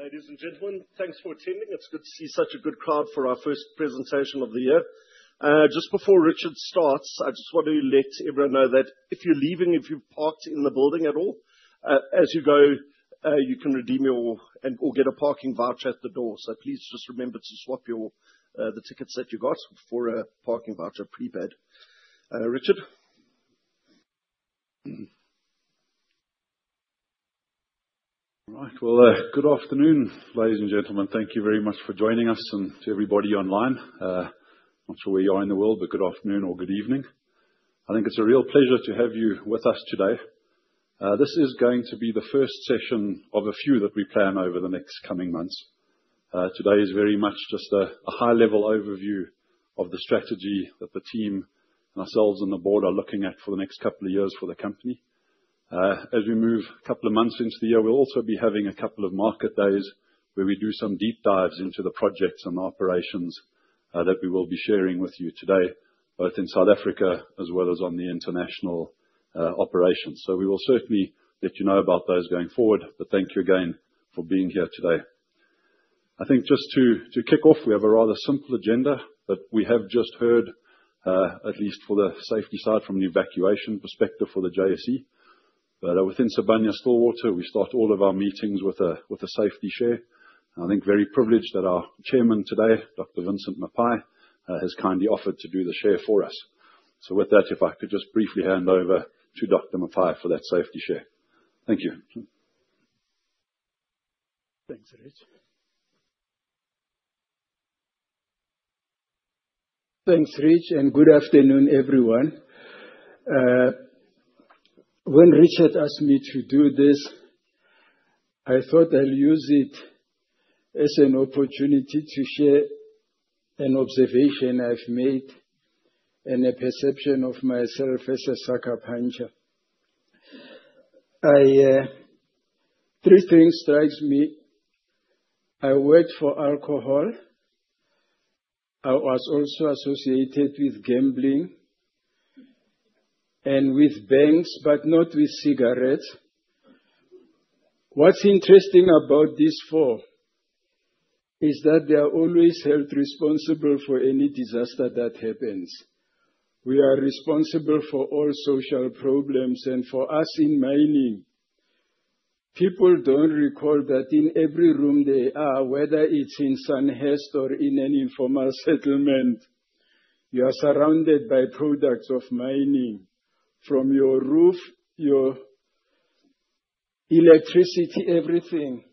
Ladies and gentlemen, Thanks for attending. It's good to see such a good crowd for our first presentation of the year. Just before Richard starts, I just want to let everyone know that if you're leaving, if you've parked in the building at all, as you go, you can redeem or get a parking voucher at the door. Please just remember to swap the tickets that you got for a parking voucher prepaid. Richard? All right. Good afternoon, ladies and gentlemen. Thank you very much for joining us and to everybody online. Not sure where you are in the world, but good afternoon or good evening. I think it's a real pleasure to have you with us today. This is going to be the first session of a few that we plan over the next coming months. Today is very much just a high-level overview of the strategy that the team, ourselves, and the board are looking at for the next couple of years for the company. As we move a couple of months into the year, we'll also be having a couple of market days where we do some deep dives into the projects and the operations that we will be sharing with you today, both in South Africa as well as on the international operations. We will certainly let you know about those going forward. Thank you again for being here today. I think just to kick off, we have a rather simple agenda that we have just heard, at least for the safety side from the evacuation perspective for the JSE. Within Sibanye-Stillwater, we start all of our meetings with a safety share. I think very privileged that our chairman today, Dr. Vincent Maphai, has kindly offered to do the share for us. With that, if I could just briefly hand over to Dr. Maphai for that safety share. Thank you. Thanks, Rich. Thanks, Rich. Good afternoon, everyone. When Richard asked me to do this, I thought I'll use it as an opportunity to share an observation I've made and a perception of myself as a Saka Pancha. Three things strike me. I work for alcohol. I was also associated with gambling and with banks, but not with cigarettes. What's interesting about these four is that they are always held responsible for any disaster that happens. We are responsible for all social problems. For us in mining, people don't recall that in every room they are, whether it's in Sandhurst or in an informal settlement, you are surrounded by products of mining, from your roof, your electricity, everything.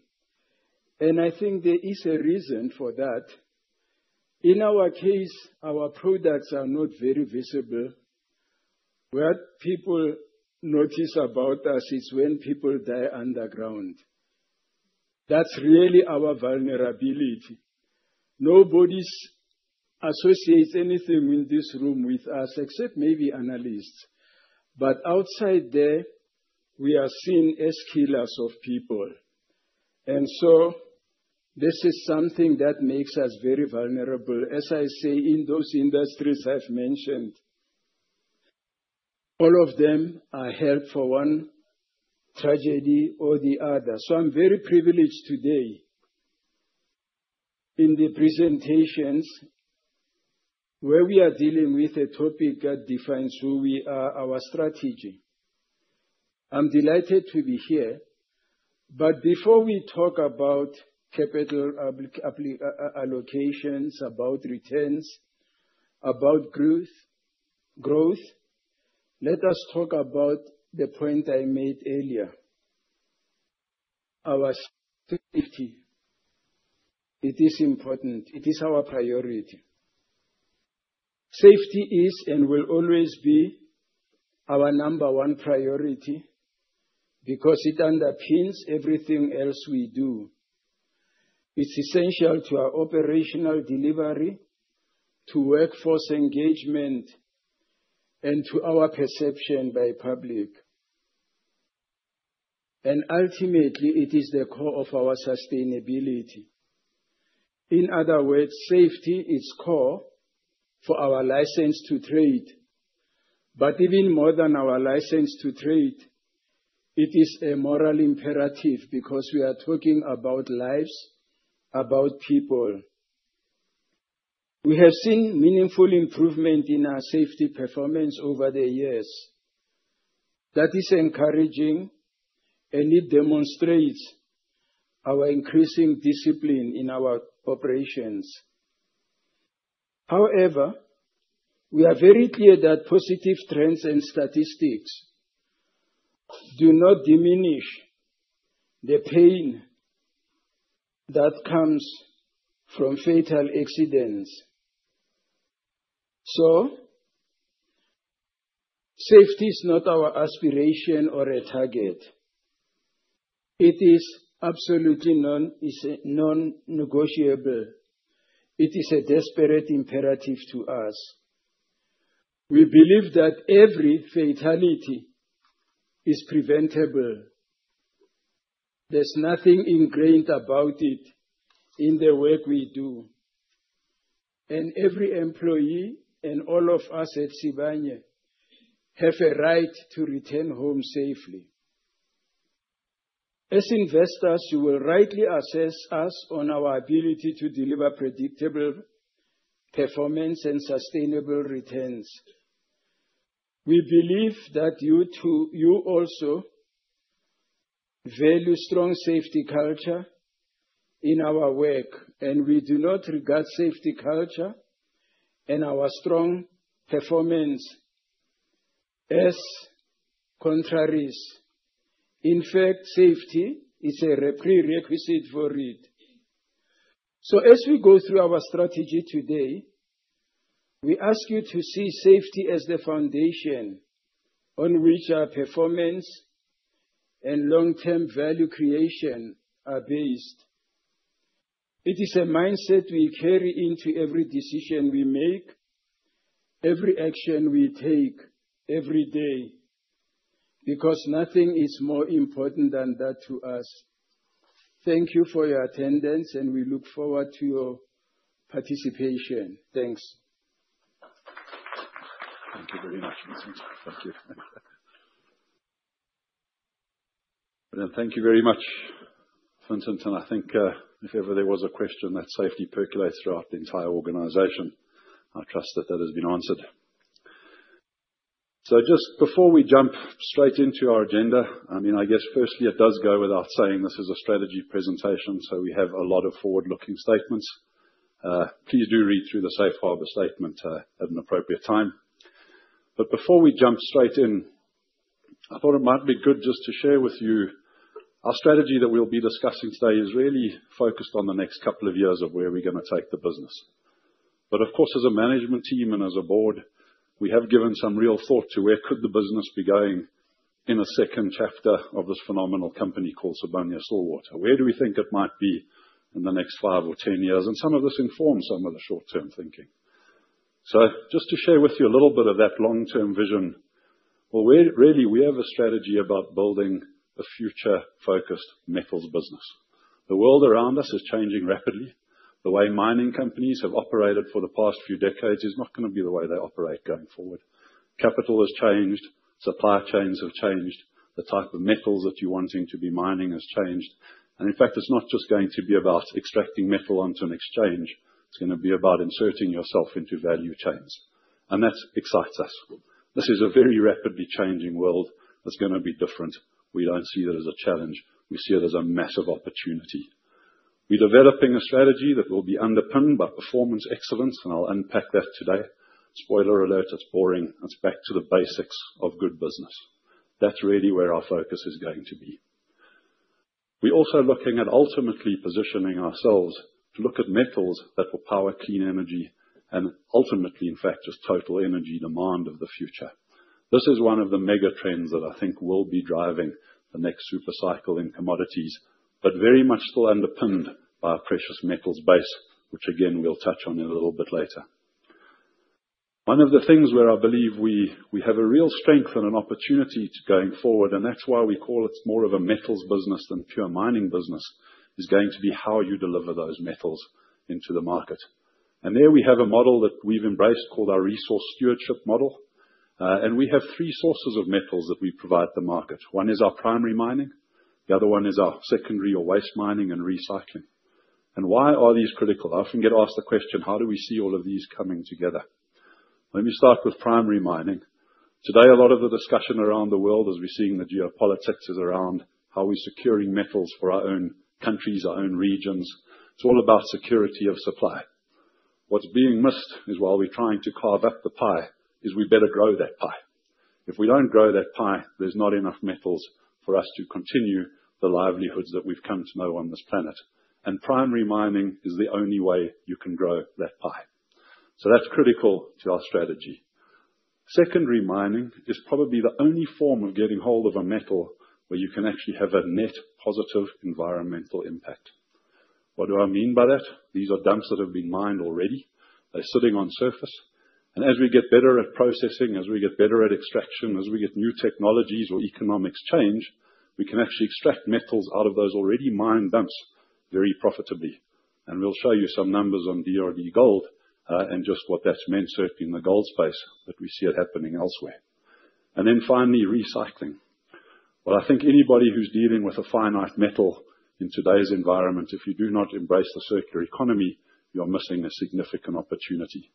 I think there is a reason for that. In our case, our products are not very visible. What people notice about us is when people die underground. That's really our vulnerability. Nobody associates anything in this room with us, except maybe analysts. Outside there, we are seen as killers of people. This is something that makes us very vulnerable. As I say, in those industries I've mentioned, all of them are held for one tragedy or the other. I'm very privileged today in the presentations where we are dealing with a topic that defines who we are, our strategy. I'm delighted to be here. Before we talk about capital allocations, about returns, about growth, let us talk about the point I made earlier. Our safety. It is important. It is our priority. Safety is and will always be our number 1 priority because it underpins everything else we do. It's essential to our operational delivery, to workforce engagement, and to our perception by public. Ultimately, it is the core of our sustainability. In other words, safety is core for our license to trade. Even more than our license to trade, it is a moral imperative because we are talking about lives, about people. We have seen meaningful improvement in our safety performance over the years. That is encouraging, and it demonstrates our increasing discipline in our operations. However, we are very clear that positive trends and statistics do not diminish the pain that comes from fatal accidents. Safety is not our aspiration or a target. It is absolutely non-negotiable. It is a desperate imperative to us. We believe that every fatality is preventable. There's nothing ingrained about it in the work we do. Every employee and all of us at Sibanye have a right to return home safely. As investors, you will rightly assess us on our ability to deliver predictable performance and sustainable returns. We believe that you also value strong safety culture in our work, and we do not regard safety culture and our strong performance as contraries. In fact, safety is a prerequisite for it. As we go through our strategy today, we ask you to see safety as the foundation on which our performance and long-term value creation are based. It is a mindset we carry into every decision we make, every action we take every day, because nothing is more important than that to us. Thank you for your attendance, and we look forward to your participation. Thanks. Thank you very much, Vincent. Thank you. Thank you very much, Vincent, and I think if ever there was a question that safety percolates throughout the entire organization, I trust that that has been answered. Just before we jump straight into our agenda, I guess firstly it does go without saying this is a strategy presentation, so we have a lot of forward-looking statements. Please do read through the safe harbor statement at an appropriate time. Before we jump straight in, I thought it might be good just to share with you our strategy that we'll be discussing today is really focused on the next couple of years of where we're going to take the business. Of course, as a management team and as a board, we have given some real thought to where could the business be going in a second chapter of this phenomenal company called Sibanye-Stillwater. Where do we think it might be in the next five or 10 years? Some of this informs some of the short-term thinking. Just to share with you a little bit of that long-term vision. Really, we have a strategy about building a future-focused metals business. The world around us is changing rapidly. The way mining companies have operated for the past few decades is not going to be the way they operate going forward. Capital has changed. Supply chains have changed. The type of metals that you're wanting to be mining has changed. In fact, it's not just going to be about extracting metal onto an exchange. It's going to be about inserting yourself into value chains. That excites us. This is a very rapidly changing world that's going to be different. We don't see it as a challenge. We see it as a massive opportunity. We're developing a strategy that will be underpinned by performance excellence, and I'll unpack that today. Spoiler alert, it's boring. It's back to the basics of good business. That's really where our focus is going to be. We're also looking at ultimately positioning ourselves to look at metals that will power clean energy and ultimately, in fact, just total energy demand of the future. This is one of the mega trends that I think will be driving the next super cycle in commodities. Very much still underpinned by a precious metals base, which again, we'll touch on a little bit later. One of the things where I believe we have a real strength and an opportunity going forward, and that's why we call it more of a metals business than pure mining business, is going to be how you deliver those metals into the market. There we have a model that we've embraced called our Resource Stewardship Model. We have three sources of metals that we provide the market. One is our primary mining, the other one is our secondary or waste mining and recycling. Why are these critical? I often get asked the question, how do we see all of these coming together? Let me start with primary mining. Today, a lot of the discussion around the world as we're seeing the geopolitics is around how we're securing metals for our own countries, our own regions. It's all about security of supply. What's being missed is while we're trying to carve up the pie, is we better grow that pie. If we don't grow that pie, there's not enough metals for us to continue the livelihoods that we've come to know on this planet. Primary mining is the only way you can grow that pie. That's critical to our strategy. Secondary mining is probably the only form of getting hold of a metal where you can actually have a net positive environmental impact. What do I mean by that? These are dumps that have been mined already. They're sitting on surface. As we get better at processing, as we get better at extraction, as we get new technologies or economics change, we can actually extract metals out of those already mined dumps very profitably. We'll show you some numbers on DRDGOLD, just what that's meant certainly in the gold space, we see it happening elsewhere. Finally, recycling. I think anybody who's dealing with a finite metal in today's environment, if you do not embrace the circular economy, you are missing a significant opportunity.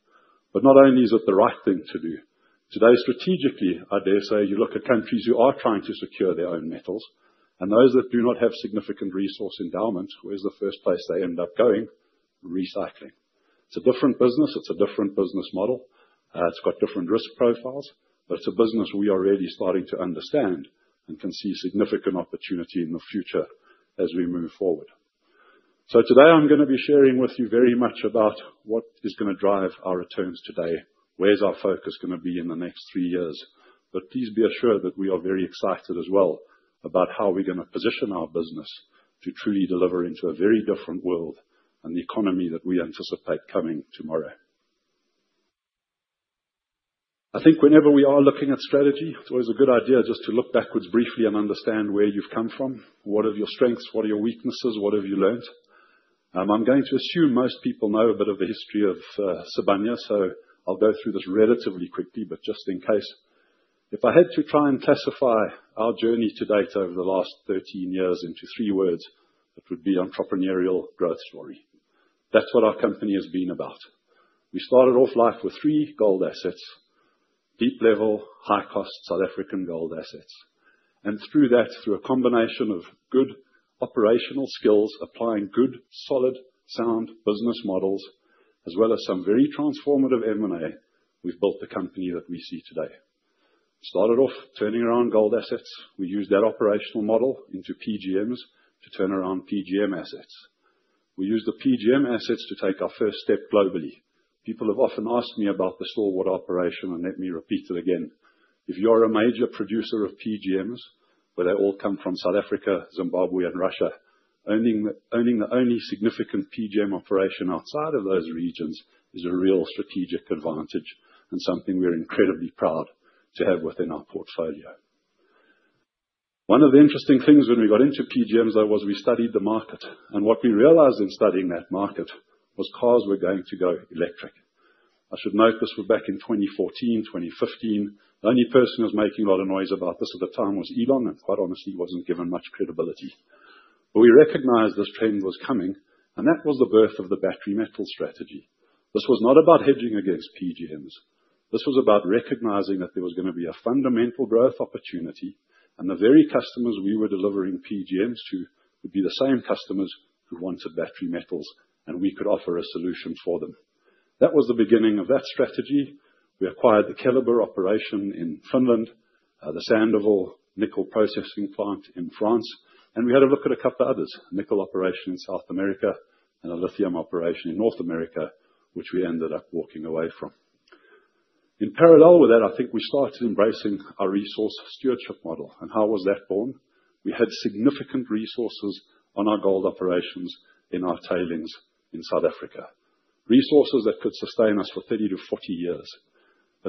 Not only is it the right thing to do. Today, strategically, I dare say, you look at countries who are trying to secure their own metals, and those that do not have significant resource endowments, where is the first place they end up going? Recycling. It's a different business. It's a different business model. It's got different risk profiles, but it's a business we are really starting to understand and can see significant opportunity in the future as we move forward. Today I'm going to be sharing with you very much about what is going to drive our returns today, where is our focus going to be in the next three years. Please be assured that we are very excited as well about how we're going to position our business to truly deliver into a very different world and the economy that we anticipate coming tomorrow. I think whenever we are looking at strategy, it's always a good idea just to look backwards briefly and understand where you've come from. What are your strengths, what are your weaknesses, what have you learned? I'm going to assume most people know a bit of the history of Sibanye, so I'll go through this relatively quickly, but just in case. If I had to try and classify our journey to date over the last 13 years into three words, it would be entrepreneurial growth story. That's what our company has been about. We started off life with three gold assets, deep-level, high-cost South African gold assets. Through that, through a combination of good operational skills, applying good, solid, sound business models, as well as some very transformative M&A, we've built the company that we see today. Started off turning around gold assets. We used that operational model into PGMs to turn around PGM assets. We used the PGM assets to take our first step globally. People have often asked me about the Stillwater operation, let me repeat it again. If you're a major producer of PGMs, but they all come from South Africa, Zimbabwe, and Russia, owning the only significant PGM operation outside of those regions is a real strategic advantage and something we're incredibly proud to have within our portfolio. One of the interesting things when we got into PGMs, though, was we studied the market. What we realized in studying that market was cars were going to go electric. I should note this was back in 2014, 2015. The only person who was making a lot of noise about this at the time was Elon, quite honestly, he wasn't given much credibility. We recognized this trend was coming, and that was the birth of the battery metal strategy. This was not about hedging against PGMs. This was about recognizing that there was going to be a fundamental growth opportunity. The very customers we were delivering PGMs to would be the same customers who wanted battery metals, and we could offer a solution for them. That was the beginning of that strategy. We acquired the Keliber operation in Finland, the Sandouville Nickel processing plant in France, and we had a look at a couple of others, a nickel operation in South America and a lithium operation in North America, which we ended up walking away from. In parallel with that, I think we started embracing our resource stewardship model. How was that born? We had significant resources on our gold operations in our tailings in South Africa. Resources that could sustain us for 30 to 40 years.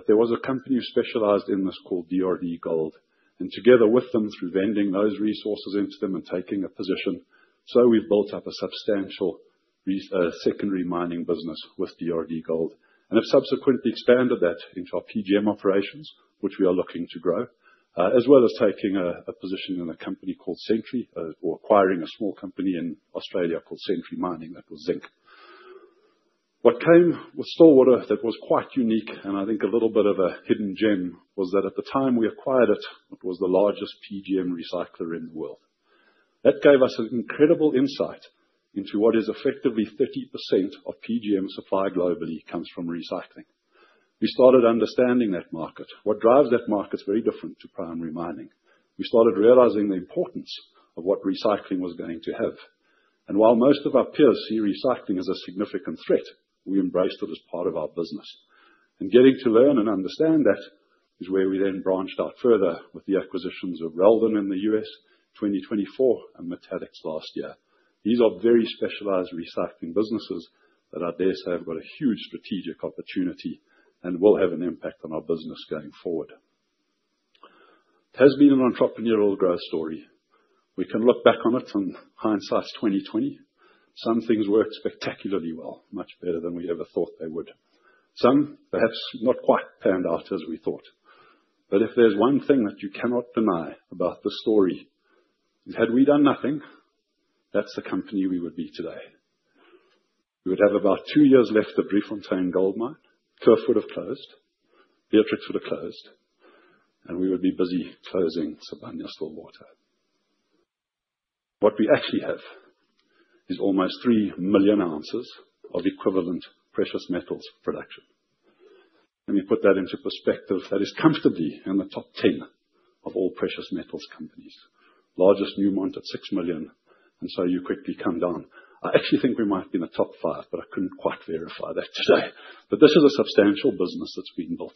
There was a company who specialized in this called DRDGOLD. Together with them, through vending those resources into them and taking a position, we've built up a substantial secondary mining business with DRDGOLD. Have subsequently expanded that into our PGM operations, which we are looking to grow, as well as taking a position in a company called Century, or acquiring a small company in Australia called Century Mining that was zinc. What came with Stillwater that was quite unique and I think a little bit of a hidden gem was that at the time we acquired it was the largest PGM recycler in the world. That gave us an incredible insight into what is effectively 30% of PGM supply globally comes from recycling. We started understanding that market. What drives that market is very different to primary mining. We started realizing the importance of what recycling was going to have. While most of our peers see recycling as a significant threat, we embraced it as part of our business. Getting to learn and understand that is where we then branched out further with the acquisitions of Reldan in the U.S., 2024, and Metallix last year. These are very specialized recycling businesses that I dare say have got a huge strategic opportunity and will have an impact on our business going forward. It has been an entrepreneurial growth story. We can look back on it from hindsight's 2020. Some things worked spectacularly well, much better than we ever thought they would. Some perhaps not quite panned out as we thought. If there's one thing that you cannot deny about this story, is had we done nothing, that's the company we would be today. We would have about 2 years left at Driefontein Gold Mine, Turff would have closed, Beatrix would have closed, and we would be busy closing Sibanye-Stillwater. What we actually have is almost 3 million ounces of equivalent precious metals production. Let me put that into perspective. That is comfortably in the top 10 of all precious metals companies. Largest new mine at 6 million, you quickly come down. I actually think we might be in the top five, but I couldn't quite verify that today. This is a substantial business that's been built.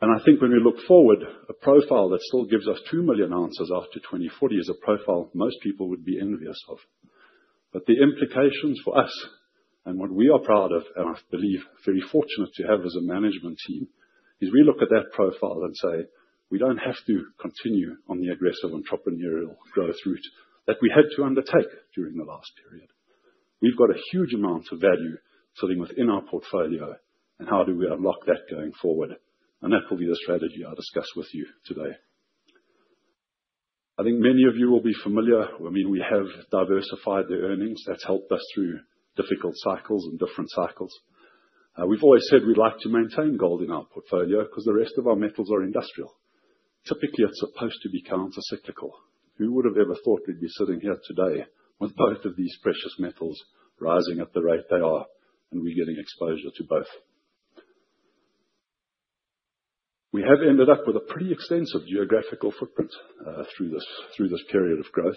I think when we look forward, a profile that still gives us 2 million ounces after 2040 is a profile most people would be envious of. The implications for us and what we are proud of, and I believe very fortunate to have as a management team, is we look at that profile and say, we don't have to continue on the aggressive entrepreneurial growth route that we had to undertake during the last period. We've got a huge amount of value sitting within our portfolio and how do we unlock that going forward? That will be the strategy I'll discuss with you today. I think many of you will be familiar. I mean, we have diversified the earnings. That's helped us through difficult cycles and different cycles. We've always said we'd like to maintain gold in our portfolio because the rest of our metals are industrial. Typically, it's supposed to be countercyclical. Who would have ever thought we'd be sitting here today with both of these precious metals rising at the rate they are and we're getting exposure to both? We have ended up with a pretty extensive geographical footprint through this period of growth.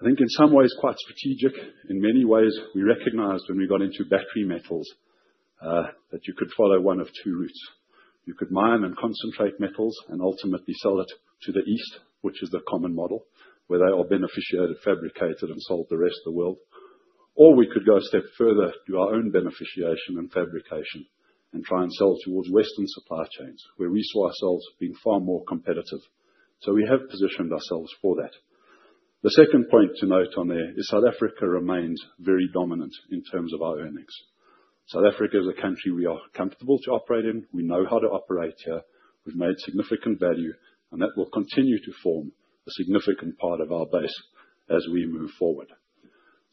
I think in some ways, quite strategic. In many ways, we recognized when we got into battery metals that you could follow one of two routes. You could mine and concentrate metals and ultimately sell it to the East, which is the common model, where they are beneficiated, fabricated, and sold the rest of the world. Or we could go a step further, do our own beneficiation and fabrication, and try and sell towards Western supply chains, where we saw ourselves being far more competitive. We have positioned ourselves for that. The second point to note on there is South Africa remains very dominant in terms of our earnings. South Africa is a country we are comfortable to operate in. We know how to operate here. We've made significant value, and that will continue to form a significant part of our base as we move forward.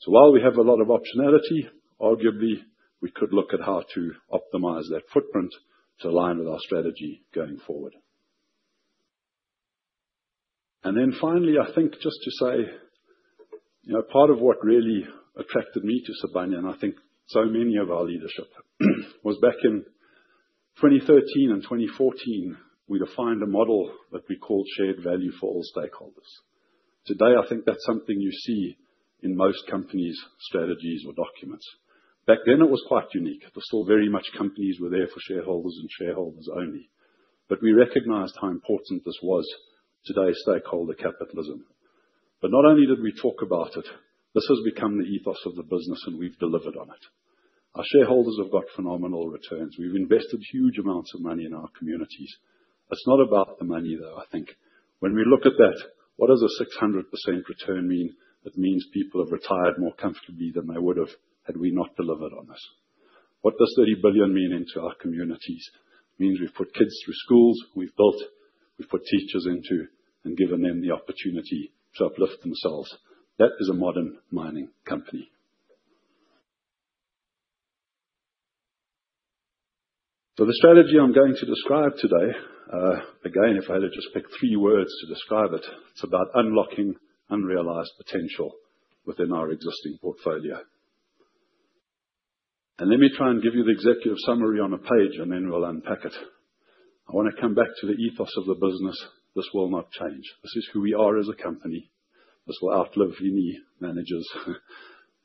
While we have a lot of optionality, arguably, we could look at how to optimize that footprint to align with our strategy going forward. Then finally, I think just to say, part of what really attracted me to Sibanye, and I think so many of our leadership, was back in 2013 and 2014, we defined a model that we called shared value for all stakeholders. Today, I think that's something you see in most companies' strategies or documents. Back then, it was quite unique. It was still very much companies were there for shareholders and shareholders only. We recognized how important this was, today's stakeholder capitalism. Not only did we talk about it, this has become the ethos of the business, and we've delivered on it. Our shareholders have got phenomenal returns. We've invested huge amounts of money in our communities. It's not about the money, though, I think. When we look at that, what does a 600% return mean? It means people have retired more comfortably than they would've, had we not delivered on this. What does 30 billion mean into our communities? It means we've put kids through schools, we've built, we've put teachers into and given them the opportunity to uplift themselves. That is a modern mining company. The strategy I'm going to describe today, again, if I had to just pick three words to describe it's about unlocking unrealized potential within our existing portfolio. Let me try and give you the executive summary on a page, and then we'll unpack it. I want to come back to the ethos of the business. This will not change. This is who we are as a company. This will outlive any managers.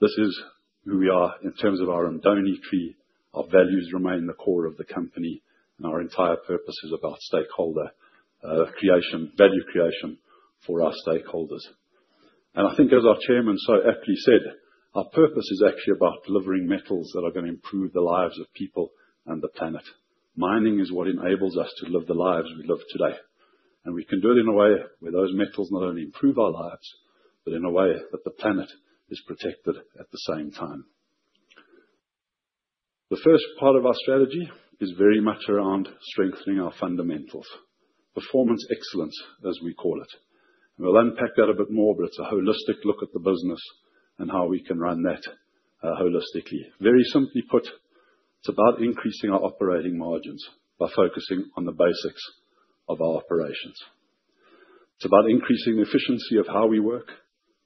This is who we are in terms of our Umdoni tree. Our values remain the core of the company, and our entire purpose is about value creation for our stakeholders. I think as our chairman so aptly said, our purpose is actually about delivering metals that are going to improve the lives of people and the planet. Mining is what enables us to live the lives we live today. We can do it in a way where those metals not only improve our lives, but in a way that the planet is protected at the same time. The first part of our strategy is very much around strengthening our fundamentals, performance excellence, as we call it. We'll unpack that a bit more, but it's a holistic look at the business and how we can run that holistically. Very simply put, it's about increasing our operating margins by focusing on the basics of our operations. It's about increasing efficiency of how we work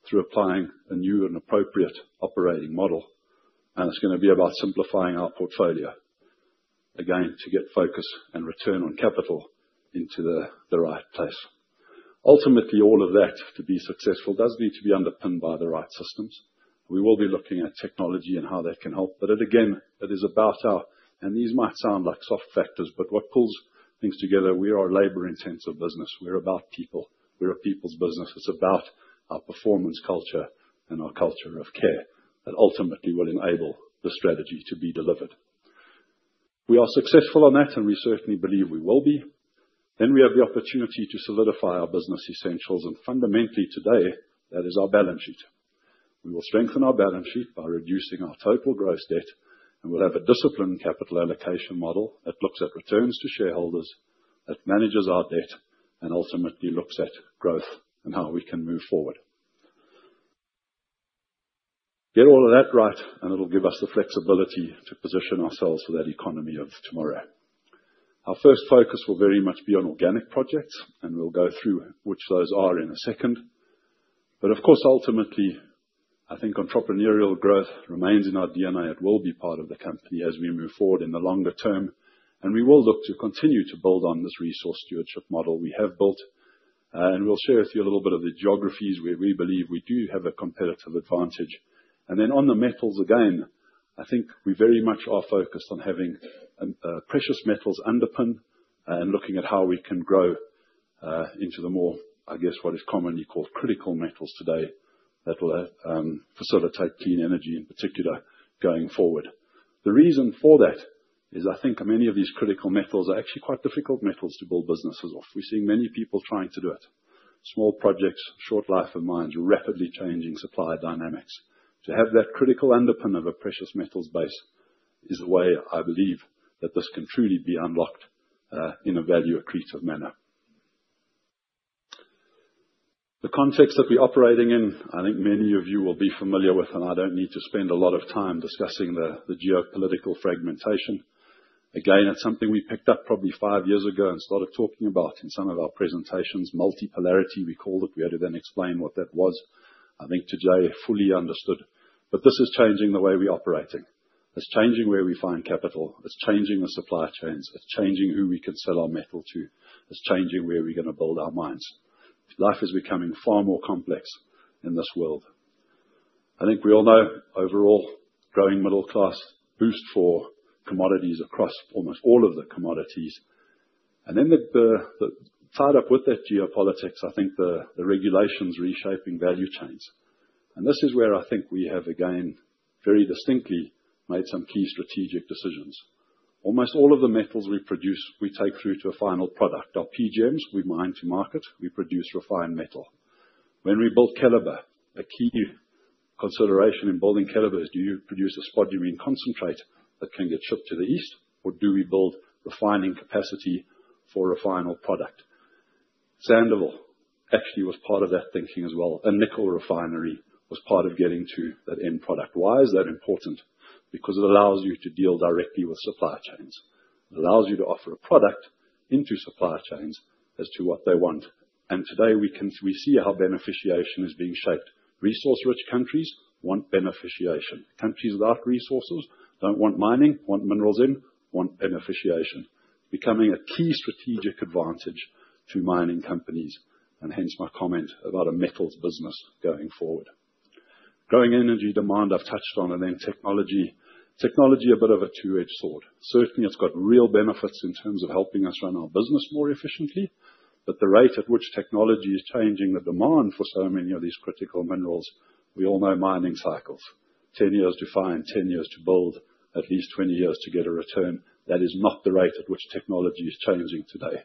through applying a new and appropriate operating model, and it's going to be about simplifying our portfolio, again, to get focus and return on capital into the right place. Ultimately, all of that to be successful does need to be underpinned by the right systems. We will be looking at technology and how that can help. Again, it is about our, and these might sound like soft factors, but what pulls things together, we are a labor-intensive business. We're about people. We're a people's business. It's about our performance culture and our culture of care that ultimately will enable the strategy to be delivered. We are successful on that, and we certainly believe we will be. We have the opportunity to solidify our business essentials, and fundamentally today, that is our balance sheet. We will strengthen our balance sheet by reducing our total gross debt, and we'll have a disciplined capital allocation model that looks at returns to shareholders, that manages our debt, and ultimately looks at growth and how we can move forward. Get all of that right and it'll give us the flexibility to position ourselves for that economy of tomorrow. Our first focus will very much be on organic projects. We'll go through which those are in a second. Of course, ultimately, I think entrepreneurial growth remains in our DNA. It will be part of the company as we move forward in the longer term. We will look to continue to build on this resource stewardship model we have built. We'll share with you a little bit of the geographies where we believe we do have a competitive advantage. Then on the metals, again, I think we very much are focused on having a precious metals underpin and looking at how we can grow into the more, I guess, what is commonly called critical metals today that will facilitate clean energy in particular going forward. The reason for that is I think many of these critical metals are actually quite difficult metals to build businesses off. We're seeing many people trying to do it. Small projects, short life of mines, rapidly changing supply dynamics. To have that critical underpin of a precious metals base is a way I believe that this can truly be unlocked in a value-accretive manner. The context that we're operating in, I think many of you will be familiar with, and I don't need to spend a lot of time discussing the geopolitical fragmentation. Again, it's something we picked up probably five years ago and started talking about in some of our presentations. Multipolarity, we called it. We had to explain what that was. I think today, fully understood. This is changing the way we're operating. It's changing where we find capital. It's changing the supply chains. It's changing who we can sell our metal to. It's changing where we're going to build our mines. Life is becoming far more complex in this world. I think we all know overall, growing middle class, boost for commodities across almost all of the commodities. Then tied up with that geopolitics, I think the regulations reshaping value chains. This is where I think we have, again, very distinctly made some key strategic decisions. Almost all of the metals we produce, we take through to a final product. Our PGM, we mine to market, we produce refined metal. When we built Keliber, a key consideration in building Keliber is do you produce a spodumene concentrate that can get shipped to the East, or do we build refining capacity for a final product? Sandouville actually was part of that thinking as well. A nickel refinery was part of getting to that end product. Why is that important? Because it allows you to deal directly with supply chains. It allows you to offer a product into supply chains as to what they want. Today we see how beneficiation is being shaped. Resource-rich countries want beneficiation. Countries without resources don't want mining, want minerals in, want beneficiation, becoming a key strategic advantage to mining companies, and hence my comment about a metals business going forward. Growing energy demand, I've touched on. Then technology. Technology, a bit of a two-edged sword. Certainly, it's got real benefits in terms of helping us run our business more efficiently, but the rate at which technology is changing the demand for so many of these critical minerals, we all know mining cycles. 10 years to find, 10 years to build, at least 20 years to get a return. That is not the rate at which technology is changing today.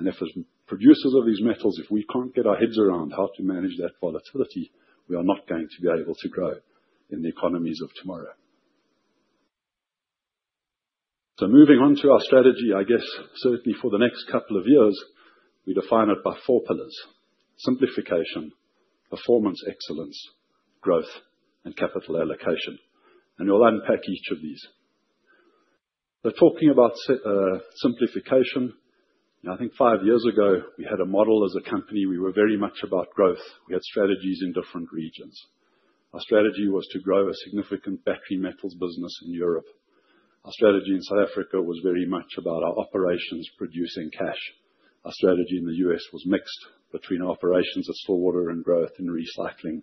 If as producers of these metals, if we can't get our heads around how to manage that volatility, we are not going to be able to grow in the economies of tomorrow. Moving on to our strategy, I guess certainly for the next couple of years, we define it by 4 pillars: simplification, performance excellence, growth, and capital allocation. We'll unpack each of these. Talking about simplification, and I think 5 years ago, we had a model as a company, we were very much about growth. We had strategies in different regions. Our strategy was to grow a significant battery metals business in Europe. Our strategy in South Africa was very much about our operations producing cash. Our strategy in the U.S. was mixed between operations of Stillwater and growth and recycling.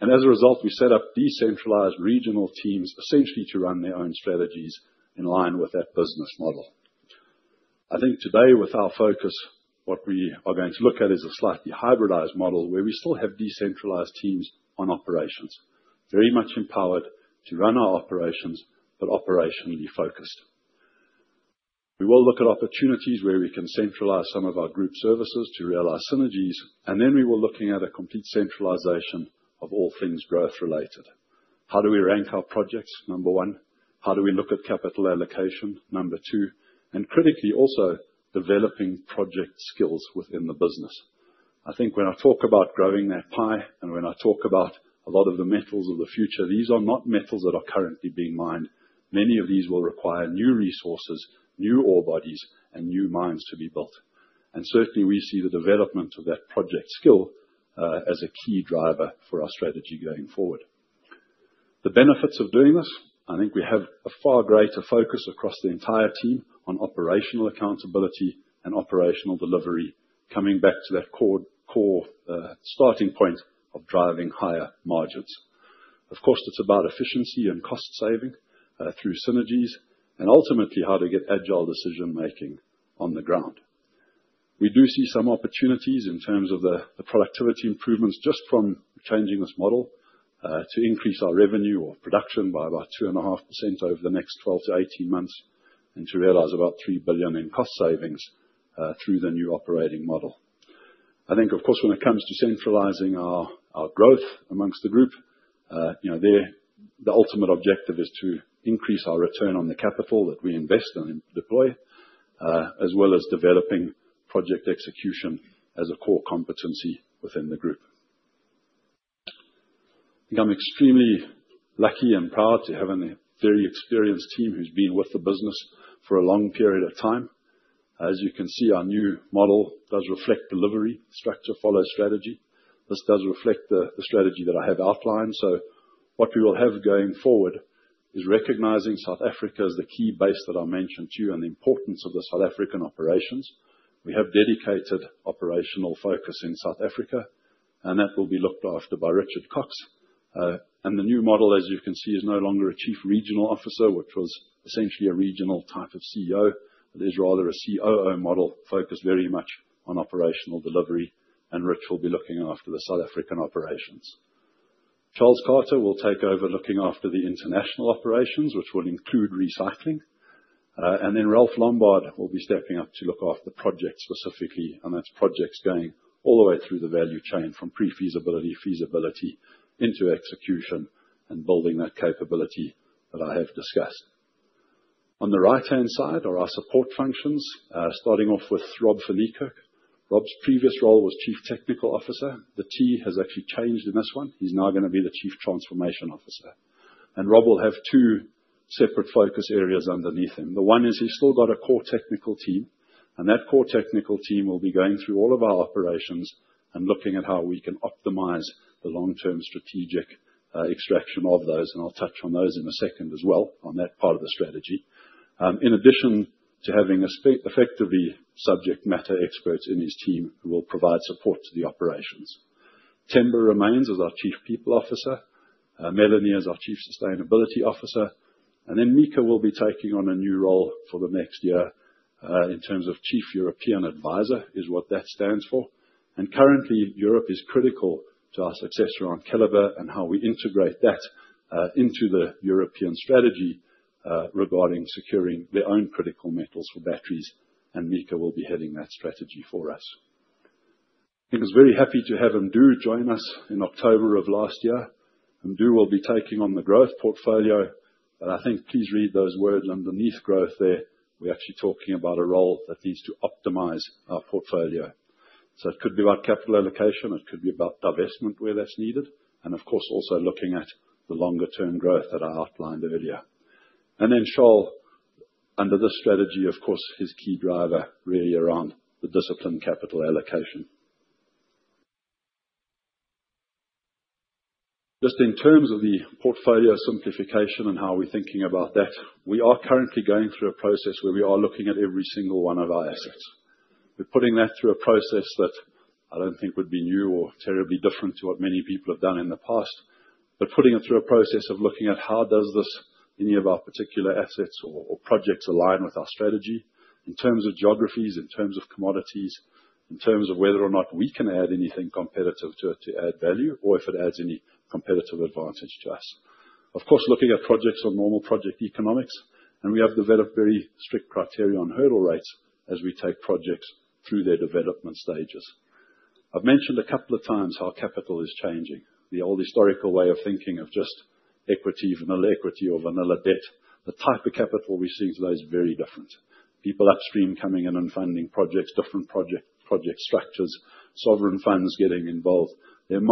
As a result, we set up decentralized regional teams, essentially to run their own strategies in line with that business model. I think today with our focus, what we are going to look at is a slightly hybridized model where we still have decentralized teams on operations, very much empowered to run our operations, but operationally focused. We will look at opportunities where we can centralize some of our group services to realize synergies. Then we were looking at a complete centralization of all things growth-related. How do we rank our projects? Number one. How do we look at capital allocation? Number two. Critically, also developing project skills within the business. I think when I talk about growing that pie, and when I talk about a lot of the metals of the future, these are not metals that are currently being mined. Many of these will require new resources, new ore bodies, and new mines to be built. Certainly, we see the development of that project skill as a key driver for our strategy going forward. The benefits of doing this, I think we have a far greater focus across the entire team on operational accountability and operational delivery coming back to that core starting point of driving higher margins. Of course, it's about efficiency and cost saving through synergies. Ultimately, how to get agile decision-making on the ground. We do see some opportunities in terms of the productivity improvements just from changing this model to increase our revenue or production by about 2.5% over the next 12 to 18 months, and to realize about 3 billion in cost savings through the new operating model. I think, of course, when it comes to centralizing our growth amongst the group, the ultimate objective is to increase our return on the capital that we invest and deploy, as well as developing project execution as a core competency within the group. I think I'm extremely lucky and proud to have a very experienced team who's been with the business for a long period of time. As you can see, our new model does reflect delivery. Structure follows strategy. This does reflect the strategy that I have outlined. What we will have going forward is recognizing South Africa as the key base that I mentioned to you and the importance of the South African operations. We have dedicated operational focus in South Africa, and that will be looked after by Richard Cox. The new model, as you can see, is no longer a Chief Regional Officer, which was essentially a regional type of CEO. It is rather a COO model focused very much on operational delivery, and Rich will be looking after the South African operations. Charles Carter will take over looking after the international operations, which will include recycling. Then Ralph Lombard will be stepping up to look after projects specifically, and that's projects going all the way through the value chain from pre-feasibility, feasibility, into execution and building that capability that I have discussed. On the right-hand side are our support functions, starting off with Rob Veliko. Rob's previous role was Chief Technical Officer. The T has actually changed in this one. He's now going to be the Chief Transformation Officer. Rob will have two separate focus areas underneath him. The one is he's still got a core technical team, and that core technical team will be going through all of our operations and looking at how we can optimize the long-term strategic extraction of those, and I'll touch on those in a second as well on that part of the strategy. In addition to having effectively subject matter experts in his team who will provide support to the operations. Timber remains as our Chief People Officer, Melanie as our Chief Sustainability Officer, Mika will be taking on a new role for the next year, in terms of Chief European Advisor is what that stands for. Currently, Europe is critical to our success around Keliber and how we integrate that into the European strategy regarding securing their own critical metals for batteries, Mika will be heading that strategy for us. I was very happy to have Mdudu join us in October of last year. Mdudu will be taking on the growth portfolio, but I think please read those words underneath growth there. We're actually talking about a role that needs to optimize our portfolio. It could be about capital allocation, it could be about divestment where that's needed, and of course, also looking at the longer-term growth that I outlined earlier. Charles, under this strategy, of course, he's key driver really around the disciplined capital allocation. Just in terms of the portfolio simplification and how we're thinking about that, we are currently going through a process where we are looking at every single one of our assets. We're putting that through a process that I don't think would be new or terribly different to what many people have done in the past. Putting it through a process of looking at how does this, any of our particular assets or projects align with our strategy in terms of geographies, in terms of commodities, in terms of whether or not we can add anything competitive to it to add value, or if it adds any competitive advantage to us. Of course, looking at projects on normal project economics, we have developed very strict criteria on hurdle rates as we take projects through their development stages. I've mentioned a couple of times how capital is changing. The old historical way of thinking of just equity, vanilla equity or vanilla debt, the type of capital we see today is very different. People upstream coming in and funding projects, different project structures, sovereign funds getting involved. There are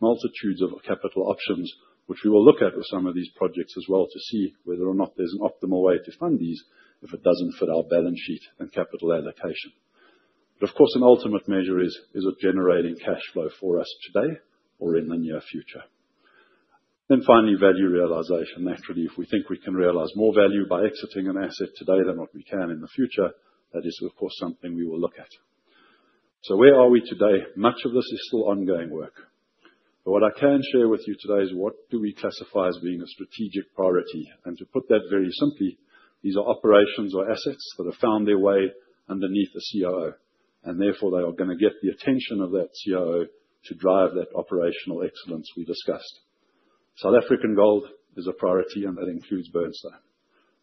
multitudes of capital options, which we will look at with some of these projects as well to see whether or not there's an optimal way to fund these if it doesn't fit our balance sheet and capital allocation. Of course, an ultimate measure is it generating cash flow for us today or in the near future? Finally, value realization. Naturally, if we think we can realize more value by exiting an asset today than what we can in the future, that is, of course, something we will look at. Where are we today? Much of this is still ongoing work. What I can share with you today is what do we classify as being a strategic priority. To put that very simply, these are operations or assets that have found their way underneath the COO, and therefore, they are gonna get the attention of that COO to drive that operational excellence we discussed. South African gold is a priority, and that includes Burnstone.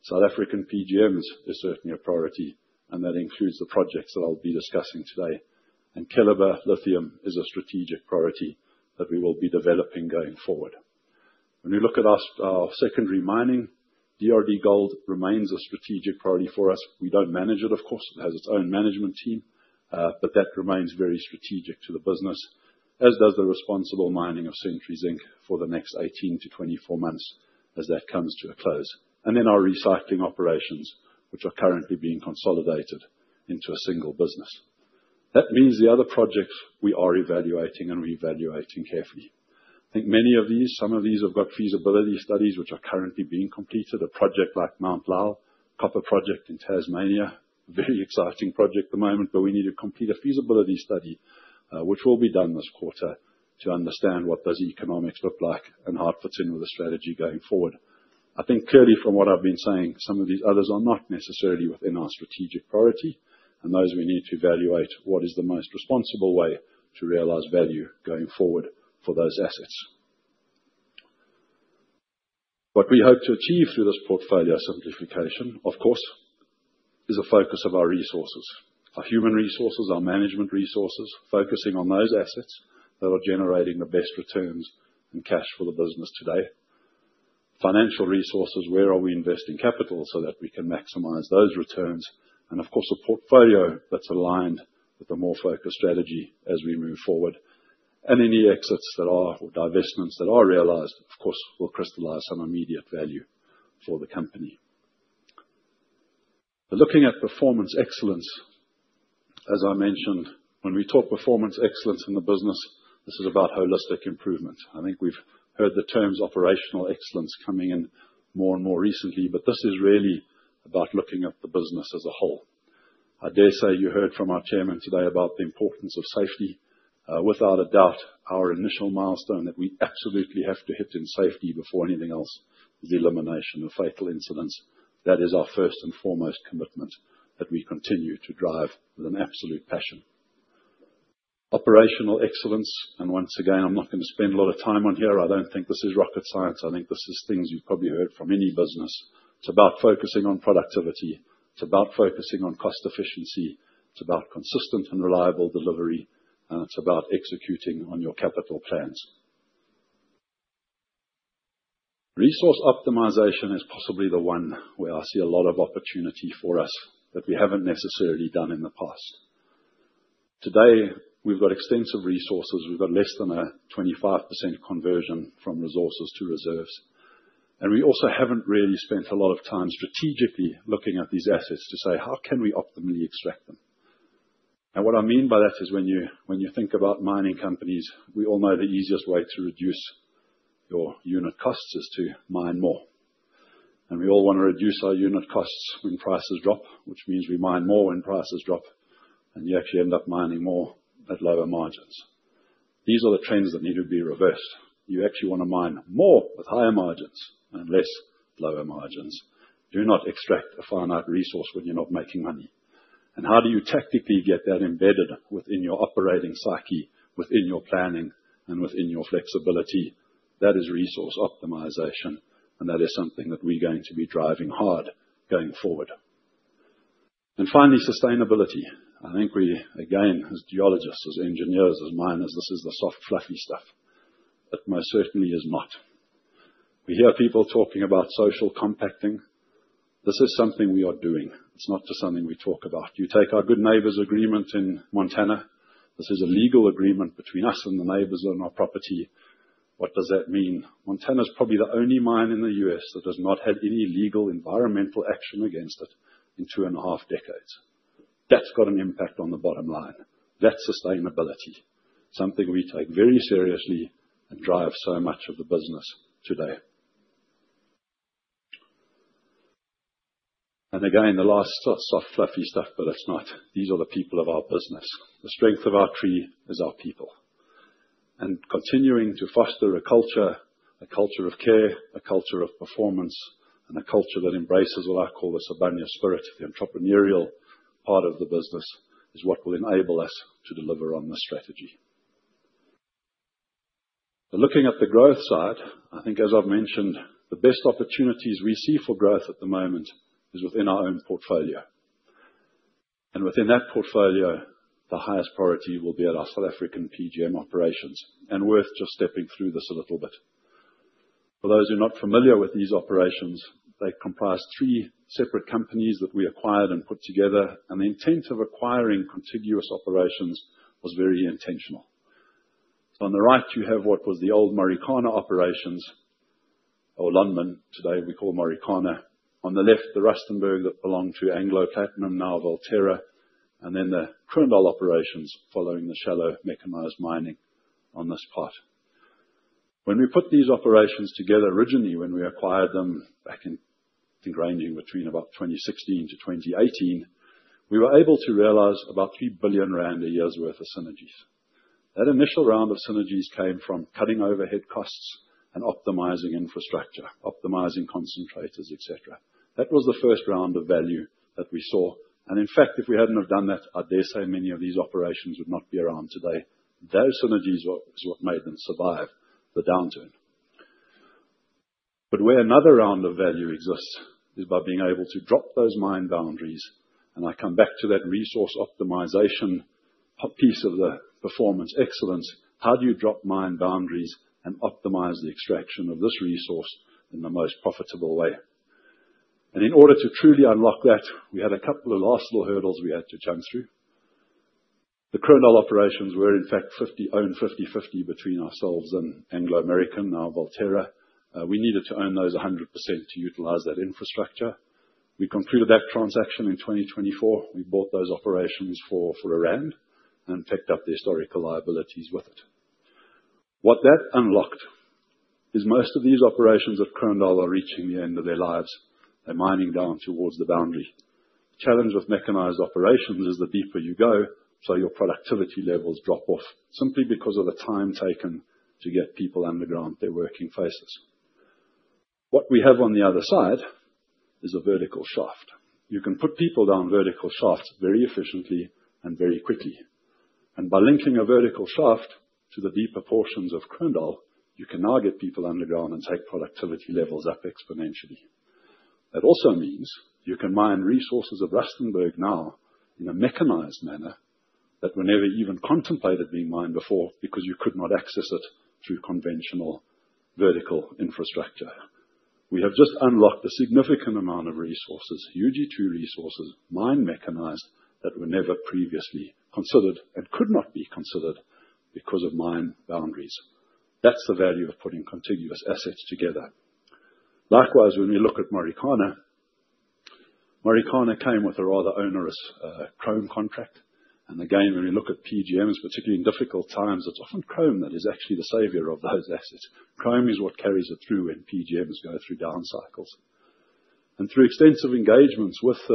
South African PGMs is certainly a priority, and that includes the projects that I'll be discussing today. Keliber Lithium is a strategic priority that we will be developing going forward. When we look at our secondary mining, DRDGOLD remains a strategic priority for us. We don't manage it, of course. It has its own management team. That remains very strategic to the business, as does the responsible mining of Century Zinc for the next 18 to 24 months as that comes to a close. Our recycling operations, which are currently being consolidated into a single business. That leaves the other projects we are evaluating and reevaluating carefully. I think many of these, some of these have got feasibility studies which are currently being completed. A project like Mount Lyell, copper project in Tasmania, very exciting project at the moment, but we need to complete a feasibility study, which will be done this quarter to understand what does the economics look like and how it fits in with the strategy going forward. I think clearly from what I've been saying, some of these others are not necessarily within our strategic priority, and those we need to evaluate what is the most responsible way to realize value going forward for those assets. What we hope to achieve through this portfolio simplification, of course, is a focus of our resources, our human resources, our management resources, focusing on those assets that are generating the best returns and cash for the business today. Financial resources, where are we investing capital so that we can maximize those returns, and of course, a portfolio that's aligned with a more focused strategy as we move forward. Any exits that are or divestments that are realized, of course, will crystallize some immediate value for the company. Looking at performance excellence, as I mentioned, when we talk performance excellence in the business, this is about holistic improvement. I think we've heard the terms operational excellence coming in more and more recently, this is really about looking at the business as a whole. I dare say you heard from our Chairman today about the importance of safety. Without a doubt, our initial milestone that we absolutely have to hit in safety before anything else is elimination of fatal incidents. That is our first and foremost commitment that we continue to drive with an absolute passion. Operational excellence, once again, I'm not gonna spend a lot of time on here. I don't think this is rocket science. I think this is things you've probably heard from any business. It's about focusing on productivity. It's about focusing on cost efficiency. It's about consistent and reliable delivery, and it's about executing on your capital plans. Resource optimization is possibly the one where I see a lot of opportunity for us that we haven't necessarily done in the past. Today, we've got extensive resources. We've got less than a 25% conversion from resources to reserves. We also haven't really spent a lot of time strategically looking at these assets to say, how can we optimally extract them? What I mean by that is when you think about mining companies, we all know the easiest way to reduce your unit costs is to mine more. We all want to reduce our unit costs when prices drop, which means we mine more when prices drop, and you actually end up mining more at lower margins. These are the trends that need to be reversed. You actually want to mine more with higher margins and less lower margins. Do not extract a finite resource when you're not making money. How do you tactically get that embedded within your operating psyche, within your planning, and within your flexibility? That is resource optimization, and that is something that we're going to be driving hard going forward. Finally, sustainability. I think we, again, as geologists, as engineers, as miners, this is the soft, fluffy stuff. It most certainly is not. We hear people talking about social compacting. This is something we are doing. It's not just something we talk about. You take our Good Neighbor Agreement in Montana. This is a legal agreement between us and the neighbors on our property. What does that mean? Montana's probably the only mine in the U.S. that has not had any legal environmental action against it in two and a half decades. That's got an impact on the bottom line. That's sustainability, something we take very seriously and drives so much of the business today. Again, the last soft, fluffy stuff, but it's not. These are the people of our business. The strength of our tree is our people. Continuing to foster a culture, a culture of care, a culture of performance, and a culture that embraces what I call the Sibanye spirit, the entrepreneurial part of the business, is what will enable us to deliver on this strategy. Looking at the growth side, I think, as I've mentioned, the best opportunities we see for growth at the moment is within our own portfolio. Within that portfolio, the highest priority will be at our South African PGM operations. Worth just stepping through this a little bit. For those who are not familiar with these operations, they comprise three separate companies that we acquired and put together, the intent of acquiring contiguous operations was very intentional. On the right you have what was the old Marikana operations or Lonmin. Today, we call Marikana. On the left, the Rustenburg that belonged to Anglo Platinum, now Valterra, and then the Kroondal operations following the shallow mechanized mining on this part. When we put these operations together originally, when we acquired them back in, I think ranging between about 2016 to 2018, we were able to realize about 3 billion rand a year's worth of synergies. That initial round of synergies came from cutting overhead costs and optimizing infrastructure, optimizing concentrators, et cetera. That was the first round of value that we saw. In fact, if we hadn't have done that, I dare say many of these operations would not be around today. Those synergies are what made them survive the downturn. Where another round of value exists is by being able to drop those mine boundaries, and I come back to that resource optimization piece of the performance excellence. How do you drop mine boundaries and optimize the extraction of this resource in the most profitable way? In order to truly unlock that, we had a couple of last little hurdles we had to jump through. The Kroondal operations were in fact owned 50/50 between ourselves and Anglo American, now Valterra Platinum. We needed to own those 100% to utilize that infrastructure. We concluded that transaction in 2024. We bought those operations for a rand and picked up the historical liabilities with it. What that unlocked is most of these operations at Kroondal are reaching the end of their lives and mining down towards the boundary. Challenge with mechanized operations is the deeper you go, your productivity levels drop off simply because of the time taken to get people underground, their working faces. What we have on the other side is a vertical shaft. You can put people down vertical shafts very efficiently and very quickly. By linking a vertical shaft to the deeper portions of Kroondal, you can now get people underground and take productivity levels up exponentially. That also means you can mine resources of Rustenburg now in a mechanized manner that were never even contemplated being mined before because you could not access it through conventional vertical infrastructure. We have just unlocked a significant amount of resources, UG2 resources, mine mechanized, that were never previously considered and could not be considered because of mine boundaries. That's the value of putting contiguous assets together. Likewise, when we look at Marikana came with a rather onerous chrome contract. Again, when we look at PGMs, particularly in difficult times, it's often chrome that is actually the savior of those assets. Chrome is what carries it through when PGMs go through down cycles. Through extensive engagements with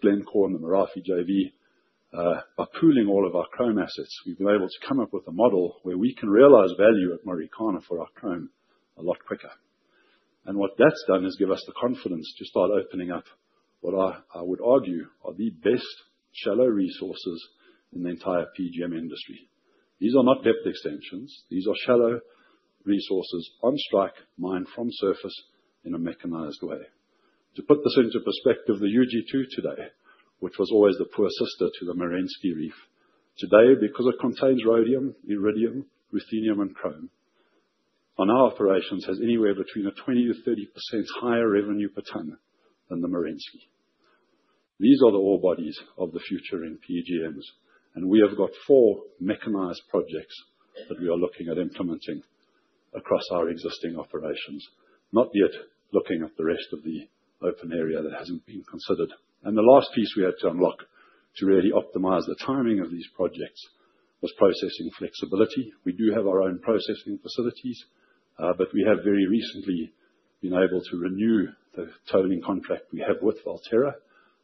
Glencore and the Merafe JV, by pooling all of our chrome assets, we've been able to come up with a model where we can realize value at Marikana for our chrome a lot quicker. What that's done is give us the confidence to start opening up what I would argue are the best shallow resources in the entire PGM industry. These are not depth extensions. These are shallow resources on strike, mined from surface in a mechanized way. To put this into perspective, the UG2 today, which was always the poor sister to the Merensky Reef. Today, because it contains rhodium, iridium, ruthenium, and chrome, on our operations, has anywhere between a 20%-30% higher revenue per ton than the Merensky. These are the ore bodies of the future in PGMs, and we have got four mechanized projects that we are looking at implementing across our existing operations, not yet looking at the rest of the open area that hasn't been considered. The last piece we had to unlock to really optimize the timing of these projects was processing flexibility. We do have our own processing facilities, but we have very recently been able to renew the tolling contract we have with Valterra,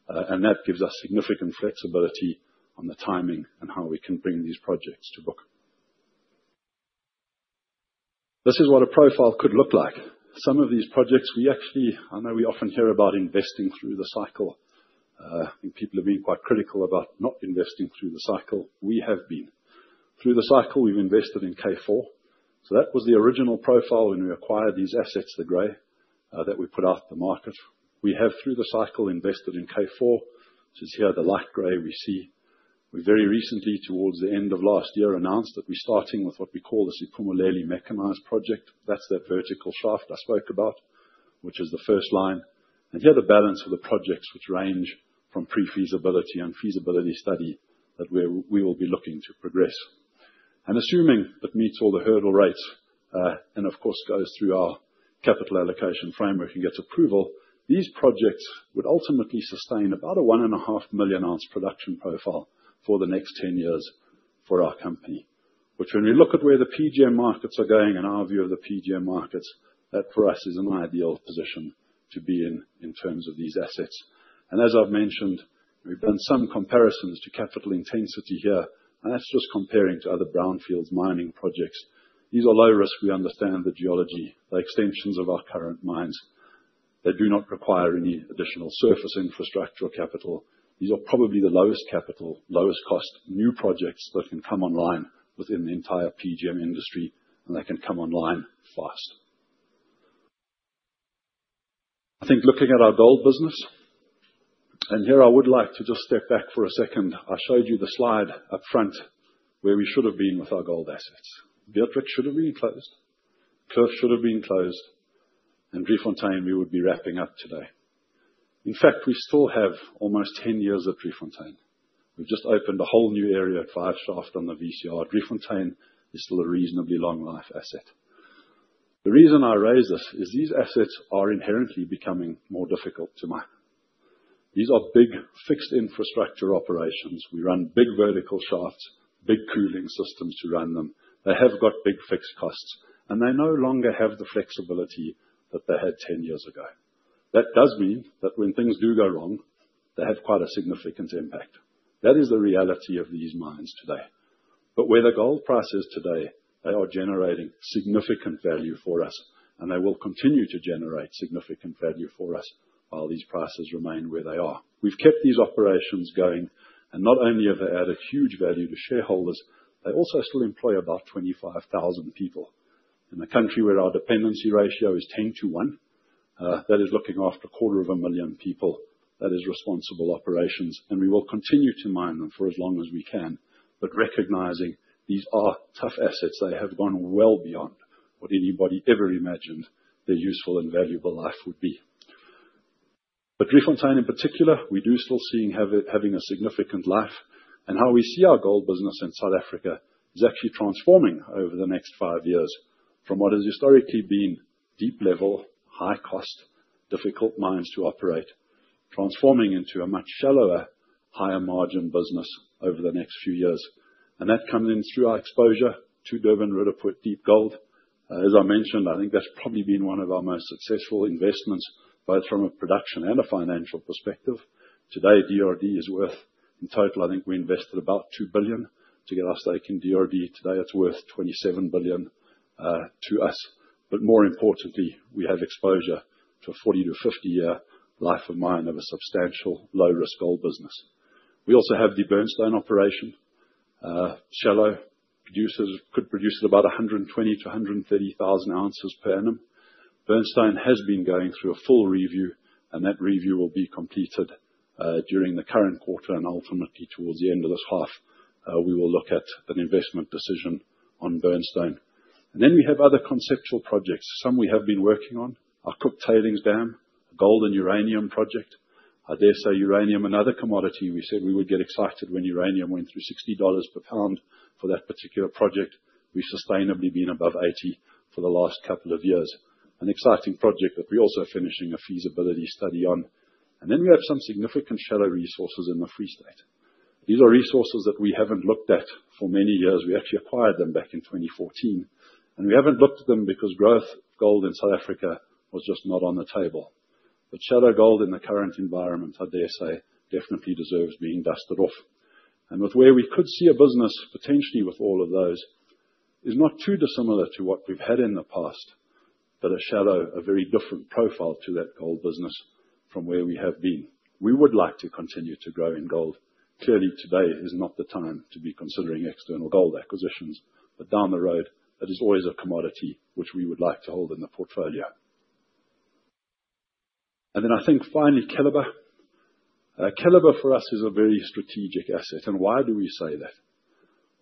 and that gives us significant flexibility on the timing and how we can bring these projects to book. This is what a profile could look like. Some of these projects we actually— I know we often hear about investing through the cycle, and people have been quite critical about not investing through the cycle. We have been. Through the cycle, we've invested in Q4. That was the original profile when we acquired these assets, the gray, that we put out to the market. We have through the cycle invested in Q4, which is here, the light gray we see. We very recently towards the end of last year, announced that we're starting with what we call the Siphumelele mechanised Project. That's that vertical shaft I spoke about, which is the first line. Here are the balance of the projects which range from pre-feasibility and feasibility study that we will be looking to progress. Assuming that meets all the hurdle rates, and of course goes through our capital allocation framework and gets approval, these projects would ultimately sustain about a one and a half million ounce production profile for the next 10 years for our company. Which when we look at where the PGM markets are going and our view of the PGM markets, that for us is an ideal position to be in terms of these assets. As I've mentioned, we've done some comparisons to capital intensity here, and that's just comparing to other brownfields mining projects. These are low risk. We understand the geology. They're extensions of our current mines. They do not require any additional surface infrastructure or capital. These are probably the lowest capital, lowest cost new projects that can come online within the entire PGM industry, and they can come online fast. I think looking at our gold business, and here I would like to just step back for a second. I showed you the slide up front where we should have been with our gold assets. Beatrix should have been closed, Perth should have been closed, and Riebeekwest we would be wrapping up today. In fact, we still have almost 10 years of Riebeekwest. We've just opened a whole new area at 5 shaft on the VCR. Riebeekwest is still a reasonably long life asset. The reason I raise this is these assets are inherently becoming more difficult to mine. These are big fixed infrastructure operations. We run big vertical shafts, big cooling systems to run them. They have got big fixed costs, and they no longer have the flexibility that they had 10 years ago. That does mean that when things do go wrong, they have quite a significant impact. That is the reality of these mines today. But where the gold price is today, they are generating significant value for us, and they will continue to generate significant value for us while these prices remain where they are. We've kept these operations going, and not only have they added huge value to shareholders, they also still employ about 25,000 people. In a country where our dependency ratio is 10 to 1, that is looking after a quarter of a million people, that is responsible operations, and we will continue to mine them for as long as we can. Recognizing these are tough assets, they have gone well beyond what anybody ever imagined their useful and valuable life would be. Riebeekwest, in particular, we do still seeing having a significant life. How we see our gold business in South Africa is actually transforming over the next 5 years from what has historically been deep-level, high cost, difficult mines to operate, transforming into a much shallower, higher margin business over the next few years. That comes in through our exposure to Durban Roodepoort Deep Gold. As I mentioned, I think that is probably been one of our most successful investments, both from a production and a financial perspective. Today, DRD is worth, in total, I think we invested about 2 billion to get our stake in DRD. Today, it is worth 27 billion to us. More importantly, we have exposure to a 40-50-year life of mine of a substantial low-risk gold business. We also have the Burnstone operation. Shallow, could produce at about 120,000-130,000 ounces per annum. Burnstone has been going through a full review, and that review will be completed during the current quarter and ultimately towards the end of this half. We will look at an investment decision on Burnstone. Then we have other conceptual projects. Some we have been working on, our Cooke tailings dam, gold and uranium project. I dare say uranium, another commodity we said we would get excited when uranium went through $60 per pound for that particular project. We have sustainably been above $80 for the last couple of years. An exciting project that we are also finishing a feasibility study on. Then we have some significant shallow resources in the Free State. These are resources that we have not looked at for many years. We actually acquired them back in 2014, and we have not looked at them because growth gold in South Africa was just not on the table. Shallow gold in the current environment, I dare say, definitely deserves being dusted off. With where we could see a business potentially with all of those is not too dissimilar to what we have had in the past, but a shallow, a very different profile to that gold business from where we have been. We would like to continue to grow in gold. Clearly, today is not the time to be considering external gold acquisitions, but down the road, that is always a commodity which we would like to hold in the portfolio. Then I think finally, Keliber. Keliber for us is a very strategic asset. Why do we say that?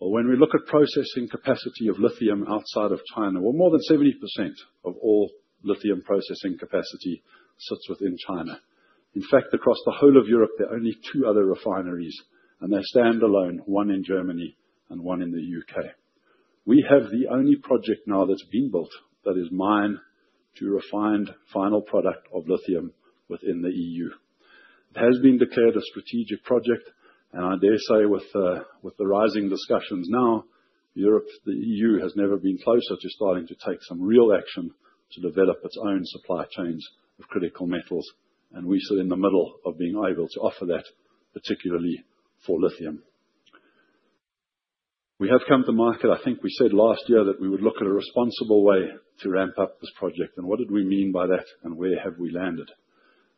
When we look at processing capacity of lithium outside of China, more than 70% of all lithium processing capacity sits within China. In fact, across the whole of Europe, there are only two other refineries, and they are standalone, one in Germany and one in the U.K. We have the only project now that has been built that is mined to refined final product of lithium within the EU. It has been declared a strategic project, and I dare say with the rising discussions now, Europe, the EU, has never been closer to starting to take some real action to develop its own supply chains of critical metals, and we sit in the middle of being able to offer that, particularly for lithium. We have come to market. I think we said last year that we would look at a responsible way to ramp up this project. What did we mean by that, and where have we landed?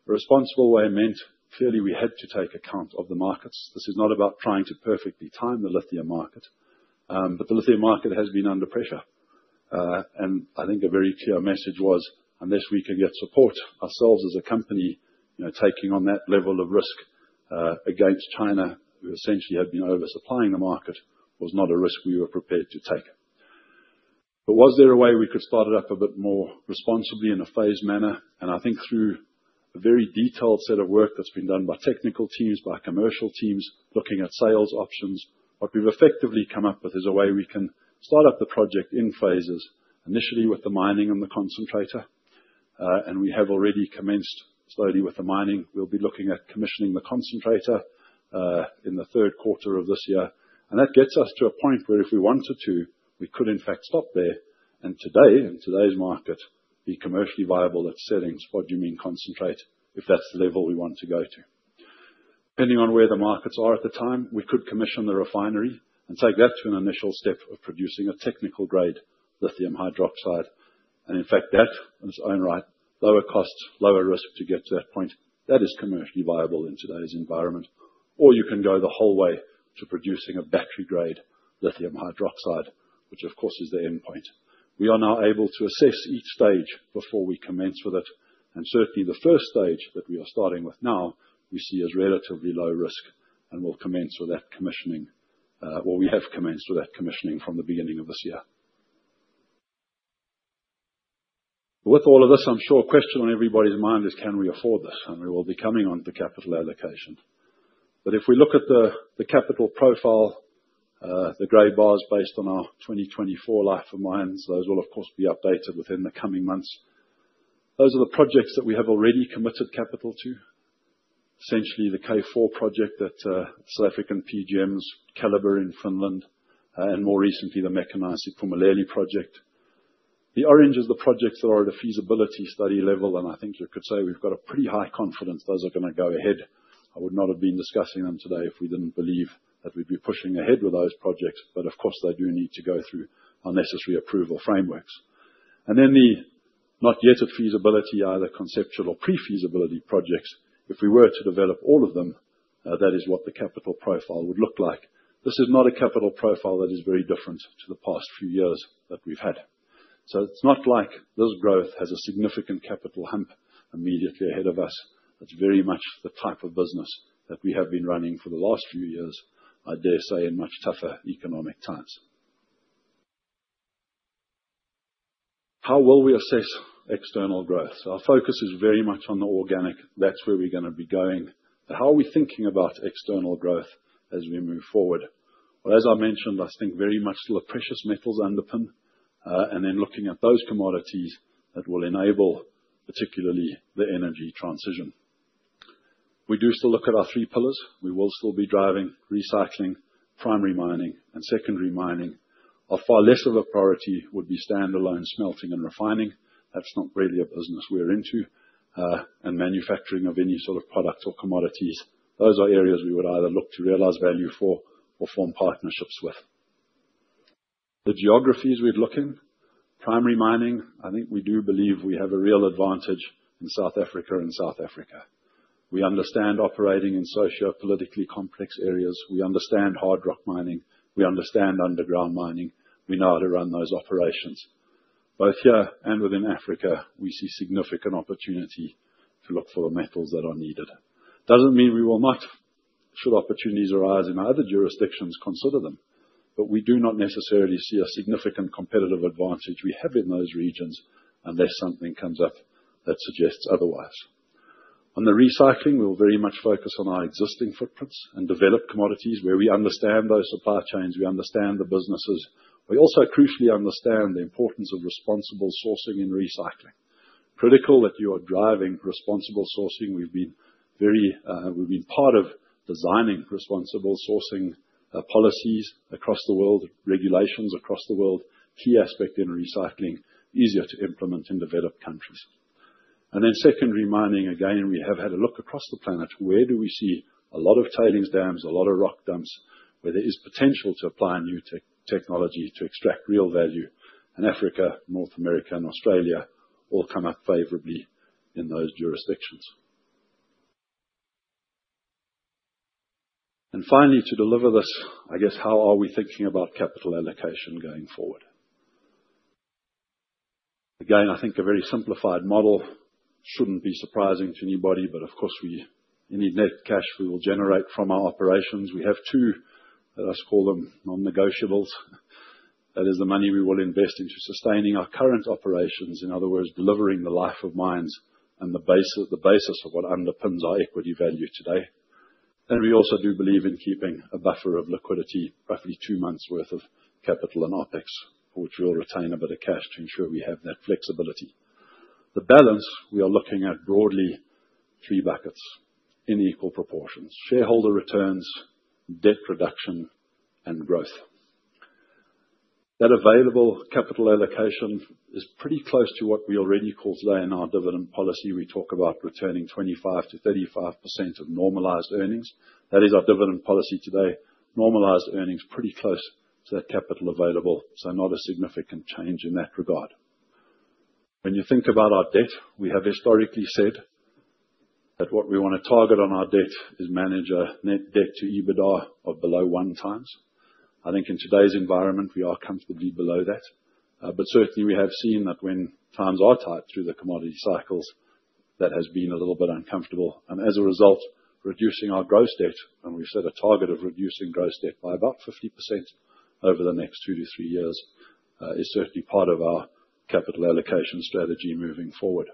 A responsible way meant clearly we had to take account of the markets. This is not about trying to perfectly time the lithium market. The lithium market has been under pressure. I think a very clear message was, unless we can yet support ourselves as a company, taking on that level of risk, against China, who essentially had been oversupplying the market, was not a risk we were prepared to take. Was there a way we could start it up a bit more responsibly in a phased manner? I think through a very detailed set of work that's been done by technical teams, by commercial teams, looking at sales options, what we've effectively come up with is a way we can start up the project in phases, initially with the mining and the concentrator. We have already commenced slowly with the mining. We'll be looking at commissioning the concentrator, in the third quarter of this year. That gets us to a point where if we wanted to, we could in fact stop there, and today, in today's market, be commercially viable at settings, what do you mean concentrate, if that's the level we want to go to. Depending on where the markets are at the time, we could commission the refinery and take that to an initial step of producing a technical grade lithium hydroxide. In fact, that in its own right, lower cost, lower risk to get to that point, that is commercially viable in today's environment. You can go the whole way to producing a battery-grade lithium hydroxide, which of course is the end point. We are now able to assess each stage before we commence with it. Certainly the first stage that we are starting with now, we see as relatively low risk and we'll commence with that commissioning. Well, we have commenced with that commissioning from the beginning of this year. With all of this, I'm sure a question on everybody's mind is can we afford this? We will be coming onto capital allocation. If we look at the capital profile, the gray bars based on our 2024 life of mines, those will of course be updated within the coming months. Those are the projects that we have already committed capital to. Essentially the K4 project at South African PGMs, Keliber in Finland, and more recently, the Mekaneessy Promileli project. The orange is the projects that are at a feasibility study level, and I think you could say we've got a pretty high confidence those are gonna go ahead. I would not have been discussing them today if we didn't believe that we'd be pushing ahead with those projects. Of course, they do need to go through our necessary approval frameworks. Then the not yet at feasibility, either conceptual or pre-feasibility projects, if we were to develop all of them, that is what the capital profile would look like. This is not a capital profile that is very different to the past few years that we've had. It's not like this growth has a significant capital hump immediately ahead of us. It's very much the type of business that we have been running for the last few years, I dare say in much tougher economic times. How will we assess external growth? Our focus is very much on the organic. That's where we're going to be going. How are we thinking about external growth as we move forward? Well, as I mentioned, I think very much still a precious metals underpin, and then looking at those commodities that will enable, particularly the energy transition. We do still look at our three pillars. We will still be driving, recycling, primary mining, and secondary mining. Of far less of a priority would be standalone smelting and refining. That's not really a business we're into. Manufacturing of any sort of product or commodities. Those are areas we would either look to realize value for or form partnerships with. The geographies we're looking, primary mining, I think we do believe we have a real advantage in South Africa. We understand operating in sociopolitically complex areas. We understand hard rock mining. We understand underground mining. We know how to run those operations. Both here and within Africa, we see significant opportunity to look for the metals that are needed. Doesn't mean we will not, should opportunities arise in other jurisdictions, consider them. We do not necessarily see a significant competitive advantage we have in those regions unless something comes up that suggests otherwise. On the recycling, we'll very much focus on our existing footprints and develop commodities where we understand those supply chains, we understand the businesses. We also crucially understand the importance of responsible sourcing and recycling. Critical that you are driving responsible sourcing. We've been part of designing responsible sourcing policies across the world, regulations across the world. Key aspect in recycling, easier to implement in developed countries. Secondary mining, again, we have had a look across the planet. Where do we see a lot of Tailings Storage Facilities, a lot of rock dumps, where there is potential to apply new technology to extract real value? Africa, North America, and Australia all come up favorably in those jurisdictions. Finally, to deliver this, I guess how are we thinking about capital allocation going forward? Again, I think a very simplified model. Shouldn't be surprising to anybody, any net cash we will generate from our operations, we have two, let us call them non-negotiables. That is the money we will invest into sustaining our current operations. In other words, delivering the life of mines and the basis of what underpins our equity value today. We also do believe in keeping a buffer of liquidity, roughly two months' worth of capital and OpEx, for which we'll retain a bit of cash to ensure we have that flexibility. The balance, we are looking at broadly three buckets in equal proportions, shareholder returns, debt reduction, and growth. That available capital allocation is pretty close to what we already call today in our dividend policy. We talk about returning 25%-35% of normalized earnings. That is our dividend policy today, normalized earnings, pretty close to that capital available, not a significant change in that regard. When you think about our debt, we have historically said that what we want to target on our debt is manage a net debt to EBITDA of below one times. I think in today's environment, we are comfortably below that. Certainly, we have seen that when times are tight through the commodity cycles, that has been a little bit uncomfortable. As a result, reducing our gross debt, and we've set a target of reducing gross debt by about 50% over the next 2-3 years, is certainly part of our capital allocation strategy moving forward.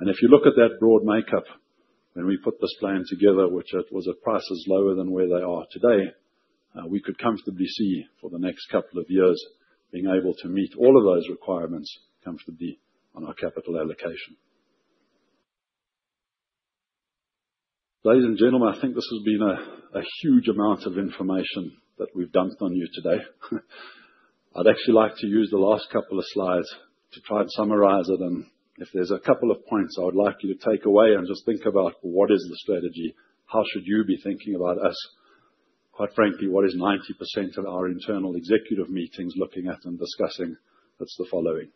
If you look at that broad makeup, when we put this plan together, which was at prices lower than where they are today, we could comfortably see for the next couple of years being able to meet all of those requirements comfortably on our capital allocation. Ladies and gentlemen, I think this has been a huge amount of information that we've dumped on you today. I'd actually like to use the last couple of slides to try and summarize it. If there's a couple of points I would like you to take away and just think about, what is the strategy? How should you be thinking about us? Quite frankly, what is 90% of our internal executive meetings looking at and discussing? It's the following.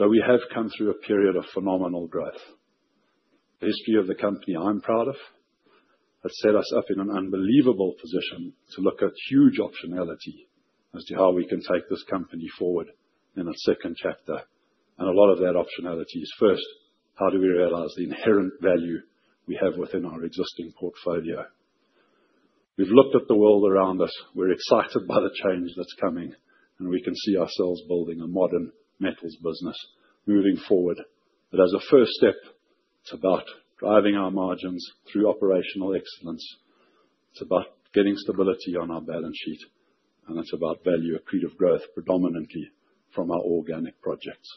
We have come through a period of phenomenal growth. The history of the company I'm proud of has set us up in an unbelievable position to look at huge optionality as to how we can take this company forward in a second chapter. A lot of that optionality is first, how do we realize the inherent value we have within our existing portfolio? We've looked at the world around us. We're excited by the change that's coming, and we can see ourselves building a modern metals business moving forward. As a first step, it's about driving our margins through operational excellence. It's about getting stability on our balance sheet, and it's about value accretive growth predominantly from our organic projects.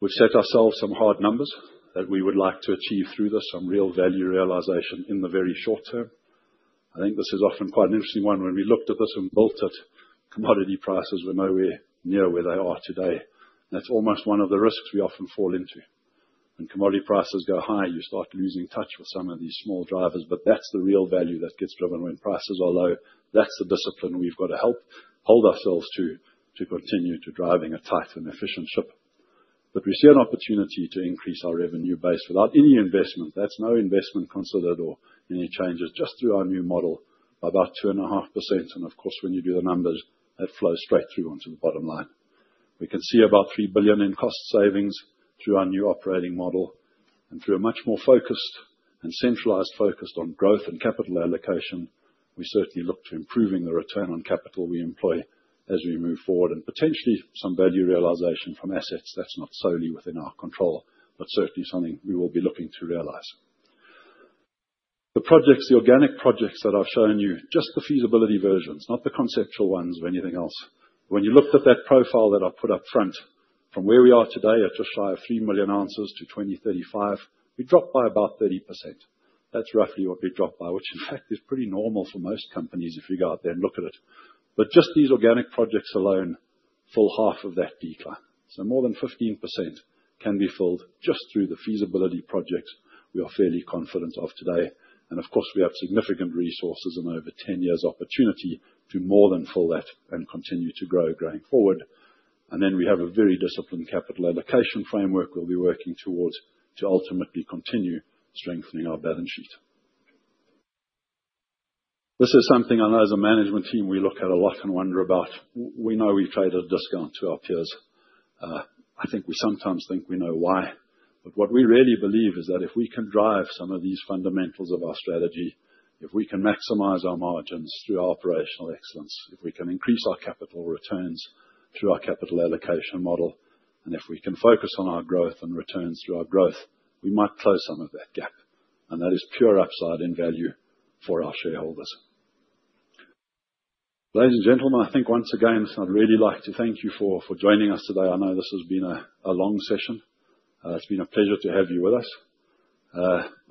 We've set ourselves some hard numbers that we would like to achieve through this, some real value realization in the very short term. I think this is often quite an interesting one. When we looked at this and built it, commodity prices were nowhere near where they are today. That's almost one of the risks we often fall into. When commodity prices go high, you start losing touch with some of these small drivers, but that's the real value that gets driven when prices are low. That's the discipline we've got to help hold ourselves to continue to driving a tight and efficient ship. We see an opportunity to increase our revenue base without any investment. That's no investment considered or any changes, just through our new model by about 2.5%. Of course, when you do the numbers, that flows straight through onto the bottom line. We can see about 3 billion in cost savings through our new operating model. Through a much more focused and centralized focus on growth and capital allocation, we certainly look to improving the return on capital we employ as we move forward and potentially some value realization from assets that's not solely within our control, but certainly something we will be looking to realize. The projects, the organic projects that I've shown you, just the feasibility versions, not the conceptual ones or anything else. When you looked at that profile that I put up front, from where we are today at just shy of 3 million ounces to 2035, we dropped by about 30%. That's roughly what we dropped by, which in fact is pretty normal for most companies if you go out there and look at it. Just these organic projects alone fill half of that decline. More than 15% can be filled just through the feasibility projects we are fairly confident of today. Of course, we have significant resources and over 10 years opportunity to more than fill that and continue to grow going forward. We have a very disciplined capital allocation framework we'll be working towards to ultimately continue strengthening our balance sheet. This is something I know as a management team, we look at a lot and wonder about. We know we trade at a discount to our peers. I think we sometimes think we know why. What we really believe is that if we can drive some of these fundamentals of our strategy, if we can maximize our margins through our operational excellence, if we can increase our capital returns through our capital allocation model, if we can focus on our growth and returns through our growth, we might close some of that gap. That is pure upside in value for our shareholders. Ladies and gentlemen, I think once again, I'd really like to thank you for joining us today. I know this has been a long session. It's been a pleasure to have you with us.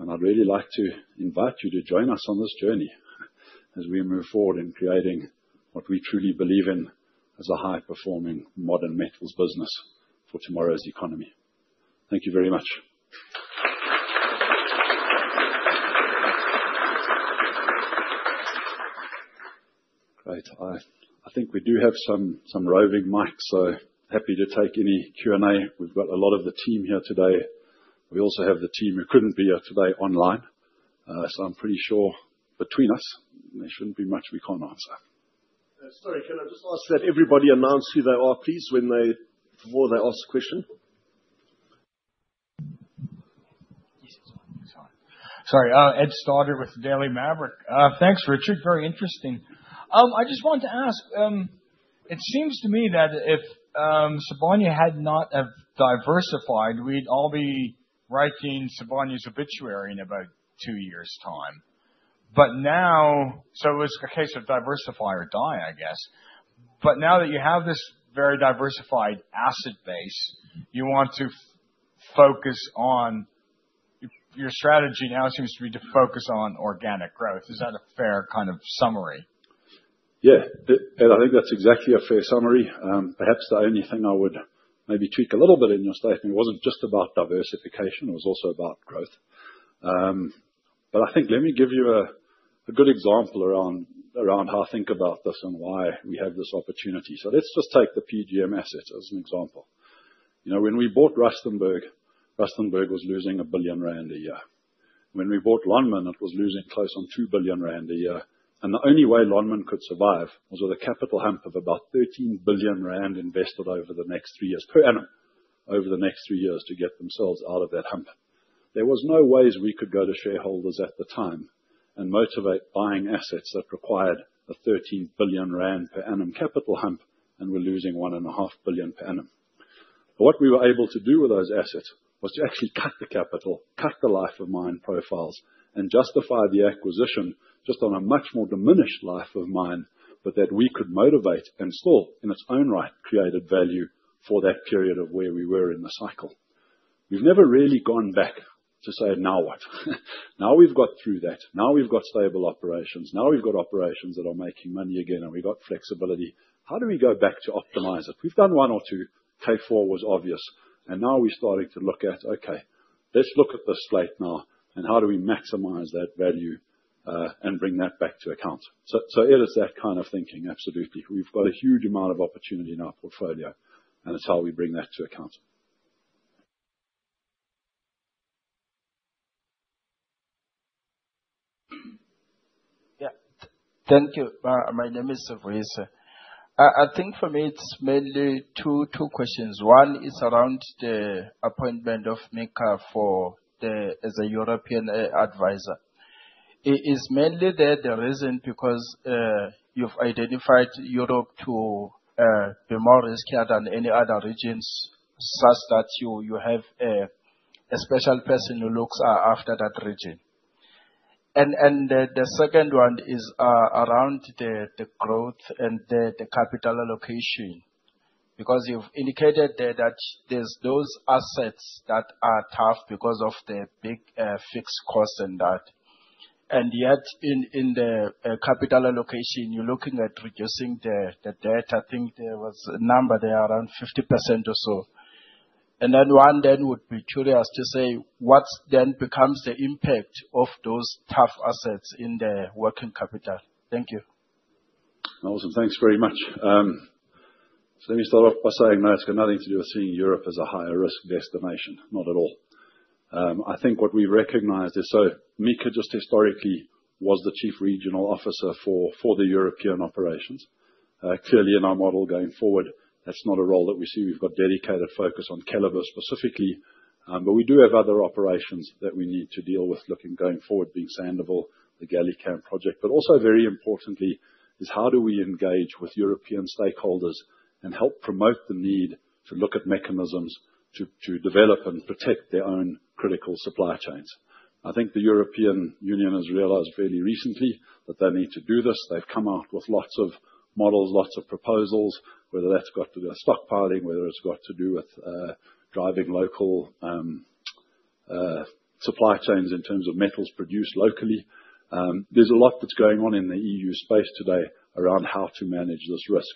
I'd really like to invite you to join us on this journey as we move forward in creating what we truly believe in as a high-performing modern metals business for tomorrow's economy. Thank you very much. Great. I think we do have some roving mics, happy to take any Q&A. We've got a lot of the team here today. We also have the team who couldn't be here today online. I'm pretty sure between us, there shouldn't be much we can't answer. Sorry, can I just ask that everybody announce who they are, please, before they ask a question? Sorry. Ed Stoddard with Daily Maverick. Thanks, Richard. Very interesting. I just wanted to ask, it seems to me that if Sibanye had not have diversified, we'd all be writing Sibanye's obituary in about two years' time. It was a case of diversify or die, I guess. Now that you have this very diversified asset base, your strategy now seems to be to focus on organic growth. Is that a fair summary? Yeah. Ed, I think that's exactly a fair summary. Perhaps the only thing I would maybe tweak a little bit in your statement, it wasn't just about diversification, it was also about growth. I think, let me give you a good example around how I think about this and why we have this opportunity. Let's just take the PGM asset as an example. When we bought Rustenburg was losing 1 billion rand a year. When we bought Lonmin, it was losing close on 2 billion rand a year. The only way Lonmin could survive was with a capital hump of about 13 billion rand invested per annum over the next three years to get themselves out of that hump. There was no ways we could go to shareholders at the time and motivate buying assets that required a 13 billion rand per annum capital hump and were losing one and a half billion per annum. What we were able to do with those assets was to actually cut the capital, cut the life of mine profiles, and justify the acquisition just on a much more diminished life of mine, but that we could motivate and still, in its own right, created value for that period of where we were in the cycle. We've never really gone back to say, now what? Now we've got through that. Now we've got stable operations. Now we've got operations that are making money again, and we've got flexibility. How do we go back to optimize it? We've done one or two, K4 was obvious. Now we're starting to look at, okay, let's look at the slate now and how do we maximize that value, and bring that back to account. It is that kind of thinking, absolutely. We've got a huge amount of opportunity in our portfolio. It's how we bring that to account. Yeah. Thank you. My name is Savhisa. I think for me it's mainly two questions. One is around the appointment of Mika as a European advisor. Is mainly that the reason because you've identified Europe to be more riskier than any other regions, such that you have a special person who looks after that region. The second one is around the growth and the capital allocation. You've indicated there that there's those assets that are tough because of the big fixed cost in that. Yet in the capital allocation, you're looking at reducing the debt. I think there was a number there around 50% or so. Then one then would be curious to say, what then becomes the impact of those tough assets in the working capital? Thank you. Awesome. Thanks very much. Let me start off by saying no, it's got nothing to do with seeing Europe as a higher risk destination. Not at all. I think what we recognized is, Mika just historically was the chief regional officer for the European operations. Clearly in our model going forward, that's not a role that we see. We've got dedicated focus on Keliber specifically. We do have other operations that we need to deal with looking going forward, being Sandouville, the GalliCam project. Also very importantly is how do we engage with European stakeholders and help promote the need to look at mechanisms to develop and protect their own critical supply chains. I think the European Union has realized fairly recently that they need to do this. They've come out with lots of models, lots of proposals, whether that's got to do with stockpiling, whether it's got to do with driving local supply chains in terms of metals produced locally. There's a lot that's going on in the EU space today around how to manage this risk.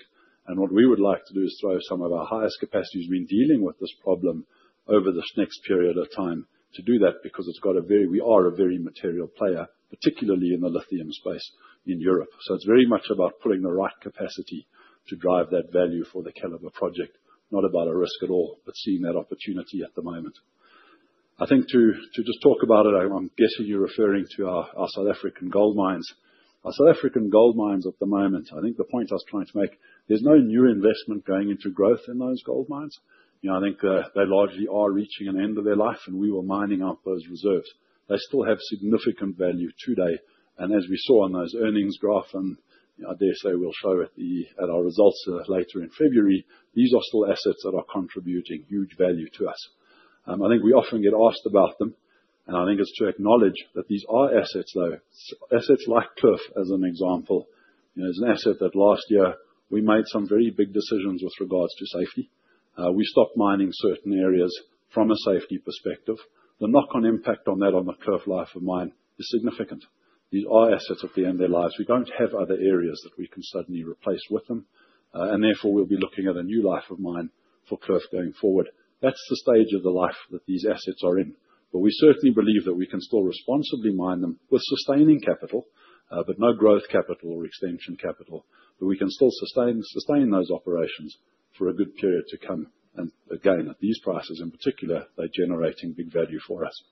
What we would like to do is throw some of our highest capacities, been dealing with this problem over this next period of time to do that because we are a very material player, particularly in the lithium space in Europe. It's very much about putting the right capacity to drive that value for the Keliber project, not about a risk at all, but seeing that opportunity at the moment. I think to just talk about it, I'm guessing you're referring to our South African gold mines. Our South African gold mines at the moment, I think the point I was trying to make, there's no new investment going into growth in those gold mines. I think they largely are reaching an end of their life and we were mining out those reserves. They still have significant value today, and as we saw on those earnings graph, and I dare say we'll show at our results later in February, these are still assets that are contributing huge value to us. I think we often get asked about them, and I think it's to acknowledge that these are assets though. Assets like Kloof, as an example, is an asset that last year we made some very big decisions with regards to safety. We stopped mining certain areas from a safety perspective. The knock-on impact on that on the Kloof life of mine is significant. These are assets at the end of their lives. We don't have other areas that we can suddenly replace with them. Therefore, we'll be looking at a new life of mine for Kloof going forward. That's the stage of the life that these assets are in. We certainly believe that we can still responsibly mine them with sustaining capital, but no growth capital or extension capital. We can still sustain those operations for a good period to come. Again, at these prices in particular, they're generating big value for us.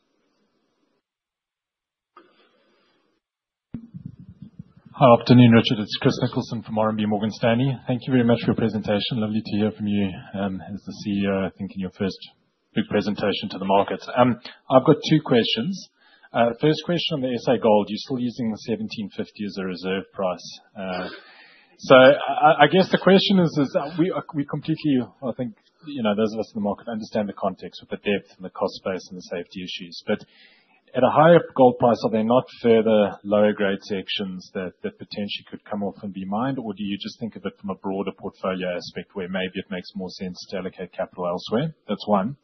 Hi. Afternoon, Richard Stewart. It's Chris Nicholson from RMB Morgan Stanley. Thank you very much for your presentation. Lovely to hear from you as the CEO, I think in your first big presentation to the market. I've got two questions. First question on the SA Gold. You're still using the 1,750 as a reserve price. I guess the question is, we completely, I think, those of us in the market understand the context with the depth and the cost base and the safety issues. At a higher gold price, are there not further lower grade sections that potentially could come off and be mined, or do you just think of it from a broader portfolio aspect where maybe it makes more sense to allocate capital elsewhere? That's one.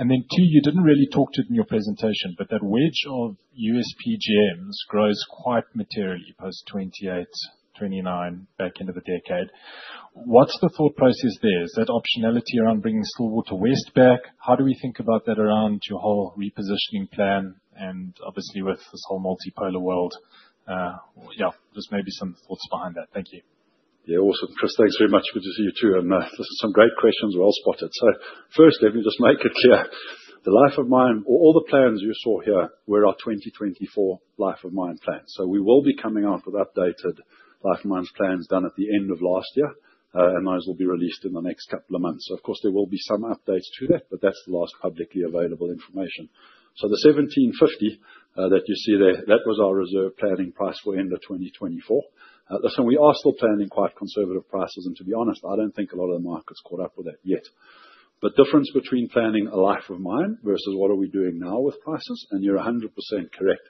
2, you didn't really talk to it in your presentation, but that wedge of U.S. PGMs grows quite materially post-2028, 2029, back end of the decade. What's the thought process there? Is that optionality around bringing Stillwater West back? How do we think about that around your whole repositioning plan and obviously with this whole multipolar world? Just maybe some thoughts behind that. Thank you. Awesome. Chris, thanks very much. Good to see you too. Those are some great questions, well spotted. First, let me just make it clear. The life of mine, all the plans you saw here were our 2024 life of mine plans. We will be coming out with updated life of mines plans done at the end of last year. Those will be released in the next couple of months. Of course, there will be some updates to that, but that's the last publicly available information. The 1,750 that you see there, that was our reserve planning price for end of 2024. We are still planning quite conservative prices, and to be honest, I don't think a lot of the market's caught up with that yet. The difference between planning a life of mine versus what are we doing now with prices, you're 100% correct.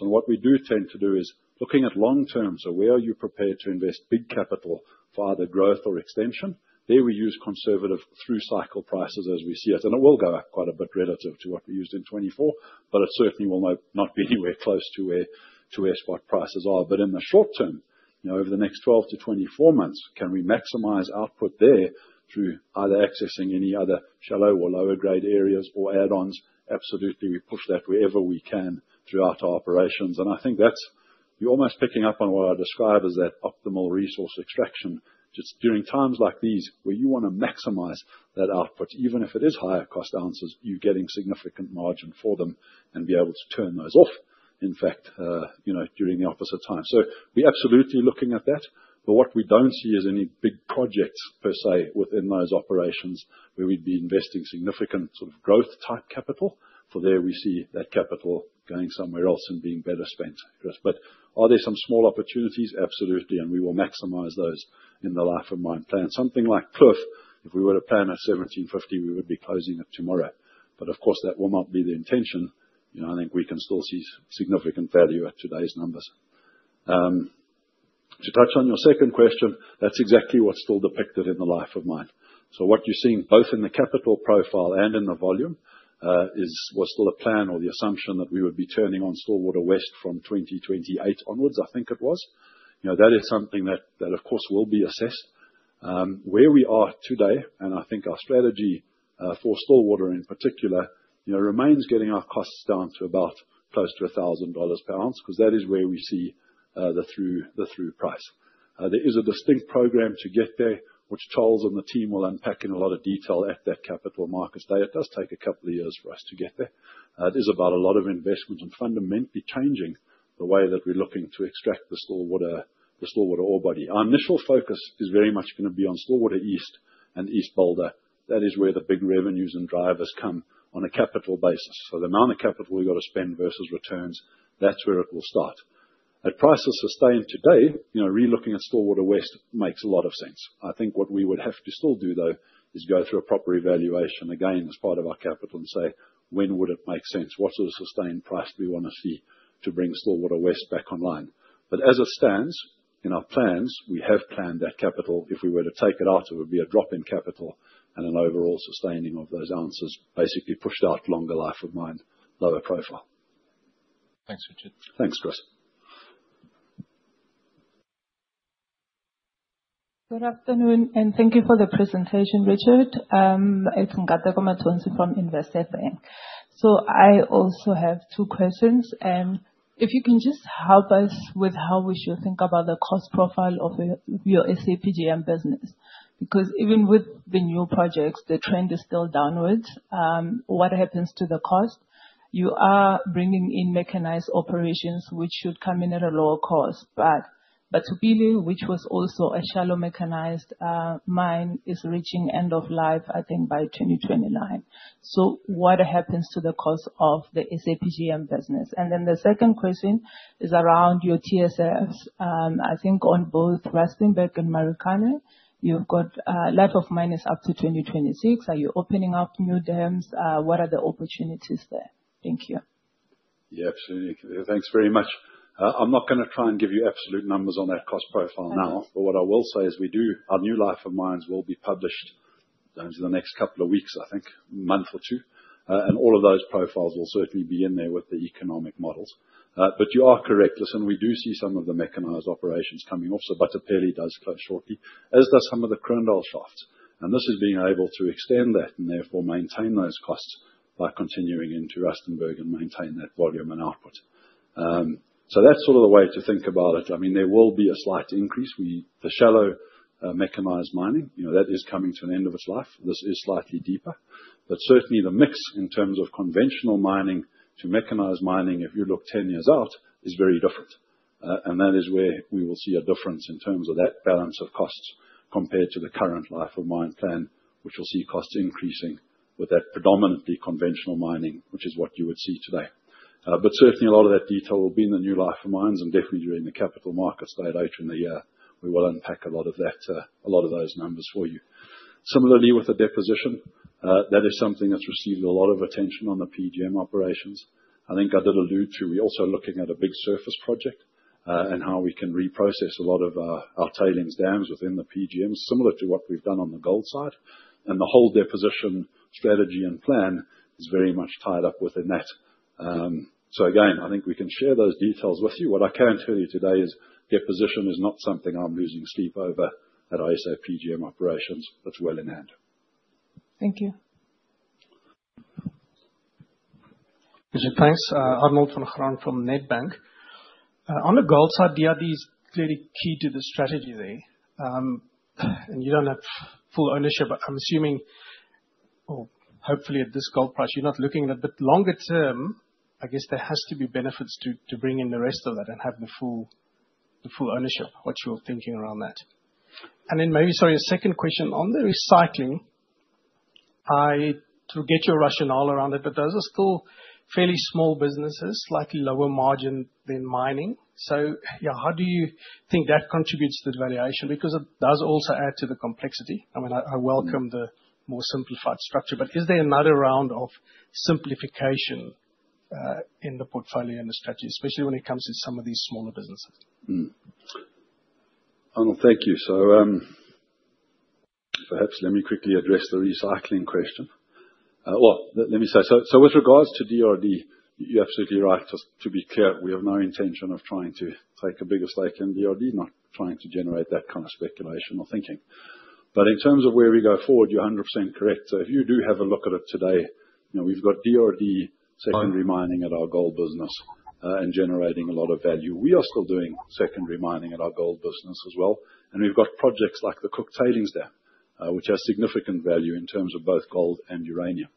What we do tend to do is looking at long term. Where are you prepared to invest big capital for either growth or extension? There we use conservative through cycle prices as we see it. It will go up quite a bit relative to what we used in 2024, but it certainly will not be anywhere close to where spot prices are. In the short term, over the next 12-24 months, can we maximize output there through either accessing any other shallow or lower grade areas or add-ons? Absolutely. We push that wherever we can throughout our operations. I think you're almost picking up on what I describe as that optimal resource extraction. Just during times like these where you want to maximize that output, even if it is higher cost ounces, you're getting significant margin for them and be able to turn those off, in fact, during the opposite time. We're absolutely looking at that, but what we don't see is any big projects per se within those operations where we'd be investing significant sort of growth type capital. For there we see that capital going somewhere else and being better spent, Chris. Are there some small opportunities? Absolutely. We will maximize those in the life of mine plan. Something like Kloof, if we were to plan at 1,750, we would be closing it tomorrow. Of course, that will not be the intention. I think we can still see significant value at today's numbers. To touch on your second question, that's exactly what's still depicted in the life of mine. What you're seeing both in the capital profile and in the volume, was still a plan or the assumption that we would be turning on Stillwater West from 2028 onwards, I think it was. That is something that of course will be assessed. Where we are today, I think our strategy, for Stillwater in particular, remains getting our costs down to about close to ZAR 1,000 pounds. Because that is where we see the through price. There is a distinct program to get there, which Charles and the team will unpack in a lot of detail at that capital markets day. It does take a couple of years for us to get there. It is about a lot of investment and fundamentally changing the way that we're looking to extract the Stillwater ore body. Our initial focus is very much gonna be on Stillwater East and East Boulder. That is where the big revenues and drivers come on a capital basis. The amount of capital you've got to spend versus returns, that's where it will start. At prices sustained today, relooking at Stillwater West makes a lot of sense. I think what we would have to still do though is go through a proper evaluation again as part of our capital and say, when would it make sense? What's the sustained price we want to see to bring Stillwater West back online? As it stands in our plans, we have planned that capital. If we were to take it out, it would be a drop in capital and an overall sustaining of those ounces, basically pushed out longer life of mine, lower profile. Thanks, Richard. Thanks, Chris. Good afternoon, thank you for the presentation, Richard. It's Nkateko Mathonsi from Investec Bank. I also have two questions. If you can just help us with how we should think about the cost profile of your SA PGM business. Even with the new projects, the trend is still downwards. What happens to the cost? You are bringing in mechanized operations, which should come in at a lower cost. Batho Pele, which was also a shallow mechanized mine, is reaching end of life, I think by 2029. What happens to the cost of the SA PGM business? The second question is around your TSFs. I think on both Rustenburg and Marikana, you've got life of mine is up to 2026. Are you opening up new dams? What are the opportunities there? Thank you. Absolutely. Thanks very much. I'm not going to try and give you absolute numbers on that cost profile now. What I will say is our new life of mines will be published in the next couple of weeks, I think, month or two. All of those profiles will certainly be in there with the economic models. You are correct. Listen, we do see some of the mechanized operations coming off. Batho Pele does close shortly, as does some of the Kroondal shafts. This is being able to extend that and therefore maintain those costs by continuing into Rustenburg and maintain that volume and output. That's sort of the way to think about it. There will be a slight increase. The shallow mechanized mining, that is coming to an end of its life. This is slightly deeper. Certainly the mix in terms of conventional mining to mechanized mining, if you look 10 years out, is very different. That is where we will see a difference in terms of that balance of costs compared to the current life of mine plan, which will see costs increasing with that predominantly conventional mining, which is what you would see today. Certainly a lot of that detail will be in the new life of mines and definitely during the capital market stage later in the year, we will unpack a lot of those numbers for you. Similarly, with the deposition, that is something that's received a lot of attention on the PGM operations. I think I did allude to, we're also looking at a big surface project, and how we can reprocess a lot of our tailings dams within the PGM, similar to what we've done on the gold side. The whole deposition strategy and plan is very much tied up within that. Again, I think we can share those details with you. What I can tell you today is deposition is not something I'm losing sleep over at SA PGM operations. That's well in hand. Thank you. Thanks. Arnold from Nedbank. On the gold side, DRD is clearly key to the strategy there. You don't have full ownership, but I am assuming or hopefully at this gold price, you are not looking at it, but longer term, I guess there has to be benefits to bring in the rest of that and have the full ownership. What is your thinking around that? Then maybe, sorry, a second question. On the recycling, to get your rationale around it, but those are still fairly small businesses, slightly lower margin than mining. How do you think that contributes to the valuation? Because it does also add to the complexity. I welcome the more simplified structure, but is there another round of simplification in the portfolio and the strategy, especially when it comes to some of these smaller businesses? Arnold, thank you. Perhaps let me quickly address the recycling question. Let me say, with regards to DRD, you are absolutely right. To be clear, we have no intention of trying to take a bigger stake in DRD, not trying to generate that kind of speculation or thinking. In terms of where we go forward, you are 100% correct. If you do have a look at it today, we have DRD secondary mining at our gold business, and generating a lot of value. We are still doing secondary mining at our gold business as well, and we have projects like the Cooke Tailings Dam, which has significant value in terms of both gold and uranium.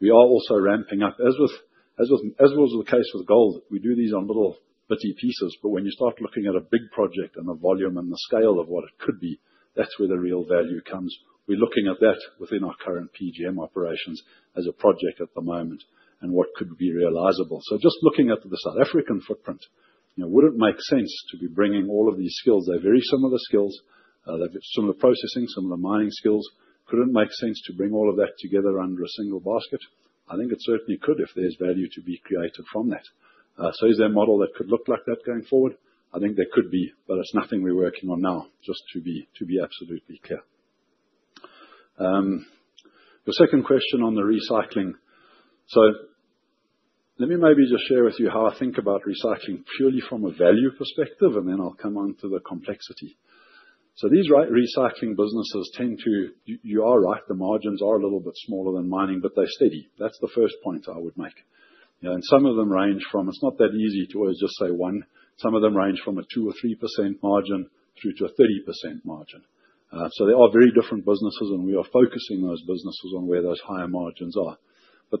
We are also ramping up. As was the case with gold, we do these on little bitty pieces, but when you start looking at a big project and the volume and the scale of what it could be, that is where the real value comes. We are looking at that within our current PGM operations as a project at the moment and what could be realizable. Just looking at the South African footprint, would it make sense to be bringing all of these skills, they are very similar skills, similar processing, similar mining skills. Could it make sense to bring all of that together under a single basket? I think it certainly could if there is value to be created from that. Is there a model that could look like that going forward? I think there could be, but it is nothing we are working on now, just to be absolutely clear. The second question on the recycling. Let me maybe just share with you how I think about recycling purely from a value perspective, and then I will come on to the complexity. These recycling businesses tend to, you are right, the margins are a little bit smaller than mining, but they are steady. That is the first point I would make. Some of them range from, it is not that easy to always just say one. Some of them range from a 2% or 3% margin through to a 30% margin. They are very different businesses, and we are focusing those businesses on where those higher margins are.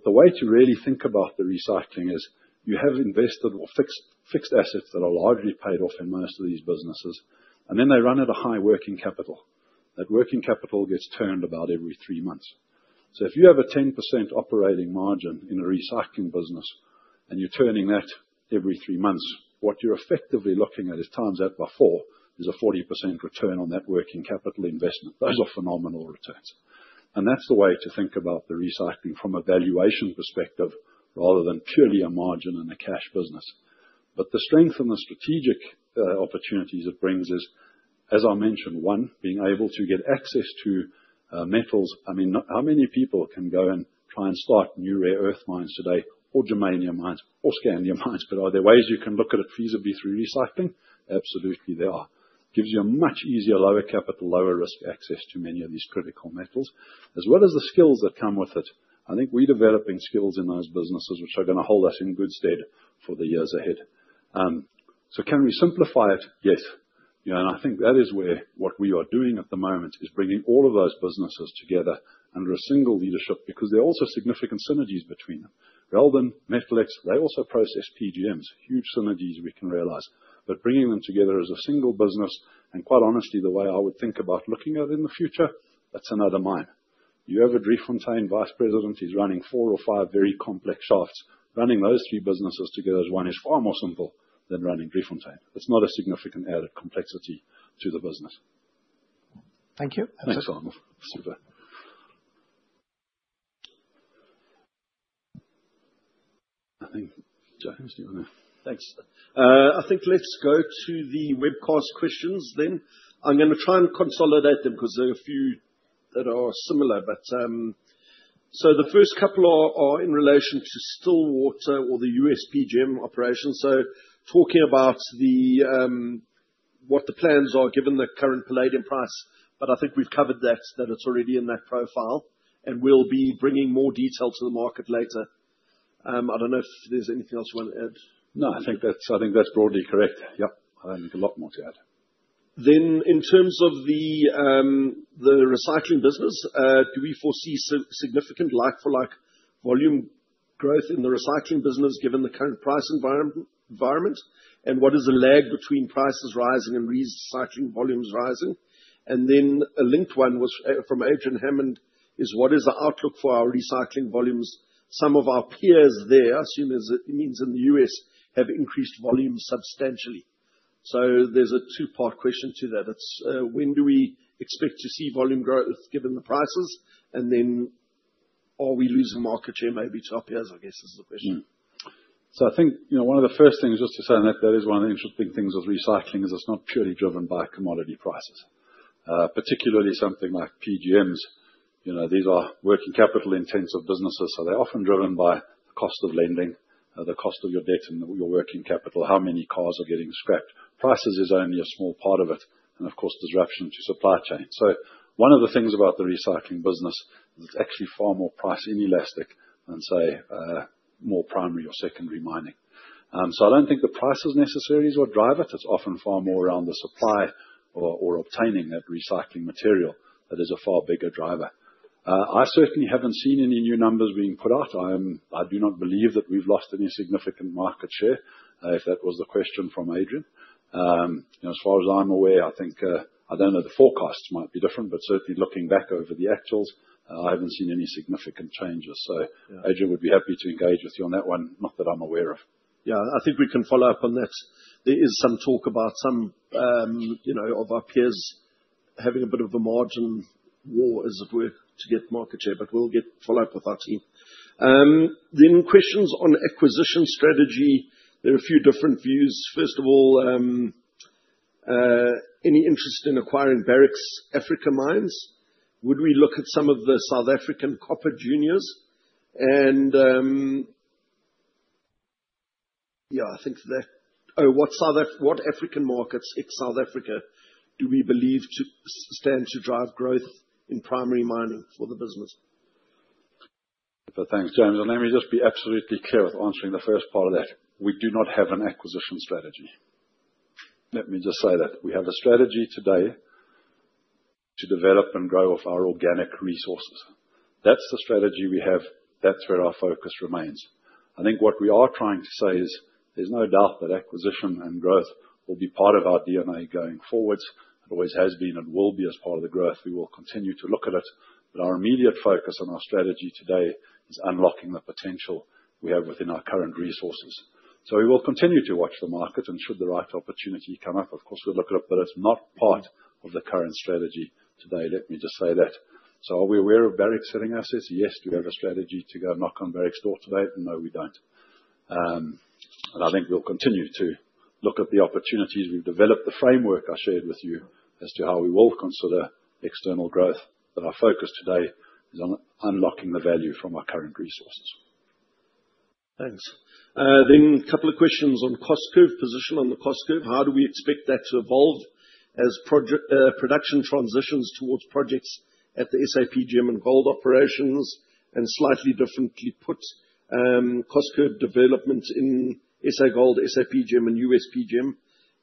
The way to really think about the recycling is you have invested or fixed assets that are largely paid off in most of these businesses, and then they run at a high working capital. That working capital gets turned about every three months. If you have a 10% operating margin in a recycling business and you're turning that every three months, what you're effectively looking at is times that by four, is a 40% return on that working capital investment. Those are phenomenal returns. That's the way to think about the recycling from a valuation perspective rather than purely a margin and a cash business. The strength and the strategic opportunities it brings is, as I mentioned, one, being able to get access to metals. I mean, how many people can go and try and start new rare earth mines today or germanium mines or scandium mines, but are there ways you can look at it feasibly through recycling? Absolutely, there are. Gives you a much easier, lower capital, lower risk access to many of these critical metals, as well as the skills that come with it. I think we're developing skills in those businesses which are going to hold us in good stead for the years ahead. Can we simplify it? Yes. I think that is where what we are doing at the moment is bringing all of those businesses together under a single leadership because there are also significant synergies between them. Reldan, Metallix, they also process PGMs. Huge synergies we can realize. Bringing them together as a single business, and quite honestly, the way I would think about looking at it in the future, that's another mine. You have a Driefontein vice president. He's running four or five very complex shafts. Running those three businesses together as one is far more simple than running Driefontein. It's not a significant added complexity to the business. Thank you. Thanks, Arnold. See you later. I think, James, do you want to- Thanks. Let's go to the webcast questions. I'm going to try and consolidate them because there are a few that are similar. The first couple are in relation to Stillwater or the U.S. PGM operation. Talking about what the plans are given the current palladium price, but I think we've covered that it's already in that profile, and we'll be bringing more detail to the market later. I don't know if there's anything else you want to add. No, that's broadly correct. I don't think a lot more to add. In terms of the recycling business, do we foresee significant like for like volume growth in the recycling business given the current price environment? What is the lag between prices rising and recycling volumes rising? A linked one was from Adrian Hammond is, what is the outlook for our recycling volumes? Some of our peers there, I assume it means in the U.S., have increased volumes substantially. There's a two-part question to that. It's when do we expect to see volume growth given the prices, are we losing market share maybe to our peers, I guess is the question. One of the first things just to say on that is one of the interesting things with recycling is it's not purely driven by commodity prices. Particularly something like PGMs. These are working capital-intensive businesses, so they're often driven by the cost of lending, the cost of your debt and your working capital, how many cars are getting scrapped. Prices is only a small part of it, and of course, disruption to supply chain. One of the things about the recycling business is it's actually far more price inelastic than, say, more primary or secondary mining. I don't think the price is necessarily is what drive it. It's often far more around the supply or obtaining that recycling material that is a far bigger driver. I certainly haven't seen any new numbers being put out. I do not believe that we've lost any significant market share, if that was the question from Adrian. As far as I'm aware, I think, I don't know the forecasts might be different, but certainly looking back over the actuals, I haven't seen any significant changes. Adrian, would be happy to engage with you on that one. Not that I'm aware of. Yeah, I think we can follow up on that. There is some talk about some of our peers having a bit of a margin war, as it were, to get market share, but we'll follow up with our team. Questions on acquisition strategy. There are a few different views. First of all, any interest in acquiring Barrick's Africa mines? Would we look at some of the South African copper juniors? What African markets except South Africa do we believe stand to drive growth in primary mining for the business? Thanks, James. Let me just be absolutely clear with answering the first part of that. We do not have an acquisition strategy. Let me just say that. We have a strategy today to develop and grow off our organic resources. That's the strategy we have. That's where our focus remains. I think what we are trying to say is, there's no doubt that acquisition and growth will be part of our DNA going forwards. It always has been and will be as part of the growth. We will continue to look at it, but our immediate focus on our strategy today is unlocking the potential we have within our current resources. We will continue to watch the market and should the right opportunity come up, of course, we'll look it up, but it's not part of the current strategy today. Let me just say that. Are we aware of Barrick selling assets? Yes. Do we have a strategy to go knock on Barrick's door today? No, we don't. I think we'll continue to look at the opportunities. We've developed the framework I shared with you as to how we will consider external growth, but our focus today is on unlocking the value from our current resources. Thanks. A couple of questions on the cost curve, position on the cost curve. How do we expect that to evolve as production transitions towards projects at the SA PGM and gold operations and slightly differently put, cost curve development in SA gold, SA PGM, and US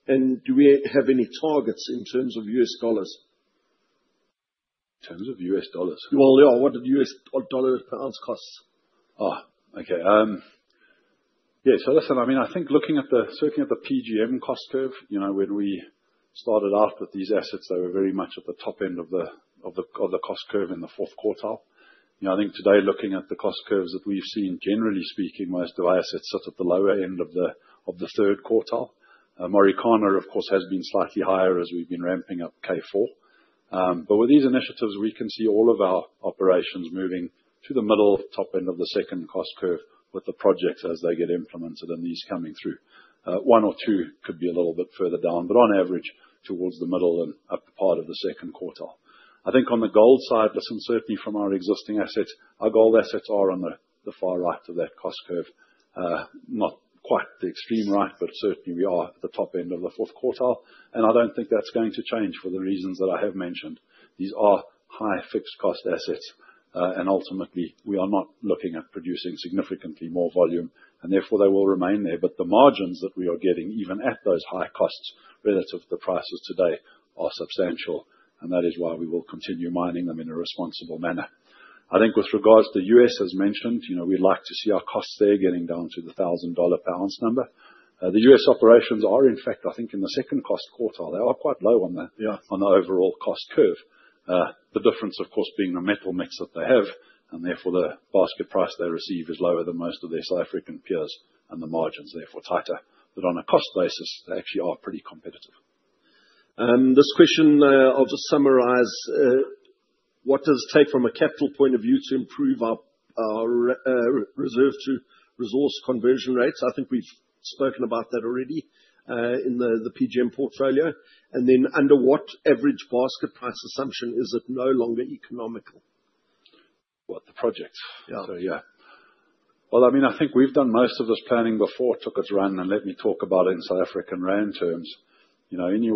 PGM. Do we have any targets in terms of US dollars? In terms of US dollars? Yeah. What are the US dollar per ounce costs? Okay. Yeah. Listen, I think looking at the PGM cost curve, when we started off with these assets, they were very much at the top end of the cost curve in the fourth quartile. I think today, looking at the cost curves that we've seen, generally speaking, most of our assets sit at the lower end of the third quartile. Marikana, of course, has been slightly higher as we've been ramping up K4. With these initiatives, we can see all of our operations moving to the middle top end of the second cost curve with the projects as they get implemented and these coming through. One or two could be a little bit further down, but on average, towards the middle and upper part of the second quartile. I think on the gold side, listen, certainly from our existing assets, our gold assets are on the far right of that cost curve. Not quite the extreme right, but certainly we are at the top end of the fourth quartile, I don't think that's going to change for the reasons that I have mentioned. These are high fixed cost assets. Ultimately, we are not looking at producing significantly more volume, and therefore they will remain there. The margins that we are getting, even at those high costs relative to prices today, are substantial, and that is why we will continue mining them in a responsible manner. I think with regards to U.S. as mentioned, we'd like to see our costs there getting down to the $1,000 per ounce number. The U.S. operations are, in fact, I think in the second cost quartile. They are quite low on the overall cost curve. The difference, of course, being the metal mix that they have, and therefore the basket price they receive is lower than most of their South African peers and the margins therefore tighter. On a cost basis, they actually are pretty competitive. This question, I'll just summarize. What does it take from a capital point of view to improve our reserve to resource conversion rates? I think we've spoken about that already, in the PGM portfolio. Then under what average basket price assumption is it no longer economical? What, the projects? Yeah. Yeah. Well, I think we have done most of this planning before it took its run, let me talk about it in South African rand terms. We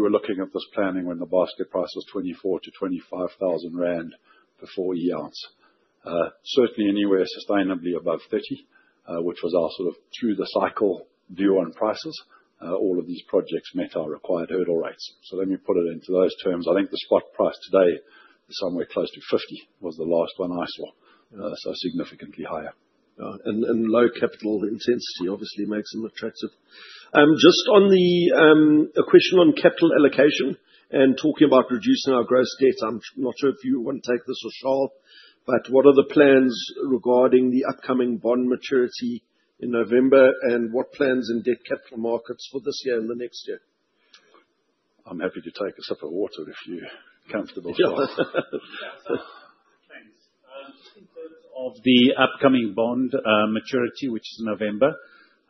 were looking at this planning when the basket price was 24,000-25,000 rand for four yards. Certainly anywhere sustainably above 30, which was our sort of through the cycle view on prices, all of these projects met our required hurdle rates. Let me put it into those terms. I think the spot price today is somewhere close to 50, was the last one I saw. Significantly higher. Yeah. Low capital intensity obviously makes them attractive. Just a question on capital allocation and talking about reducing our gross debt. I am not sure if you want to take this or Charl, but what are the plans regarding the upcoming bond maturity in November? What plans in debt capital markets for this year and the next year? I am happy to take a sip of water if you are comfortable. Yes. Thanks. Just in terms of the upcoming bond maturity, which is November.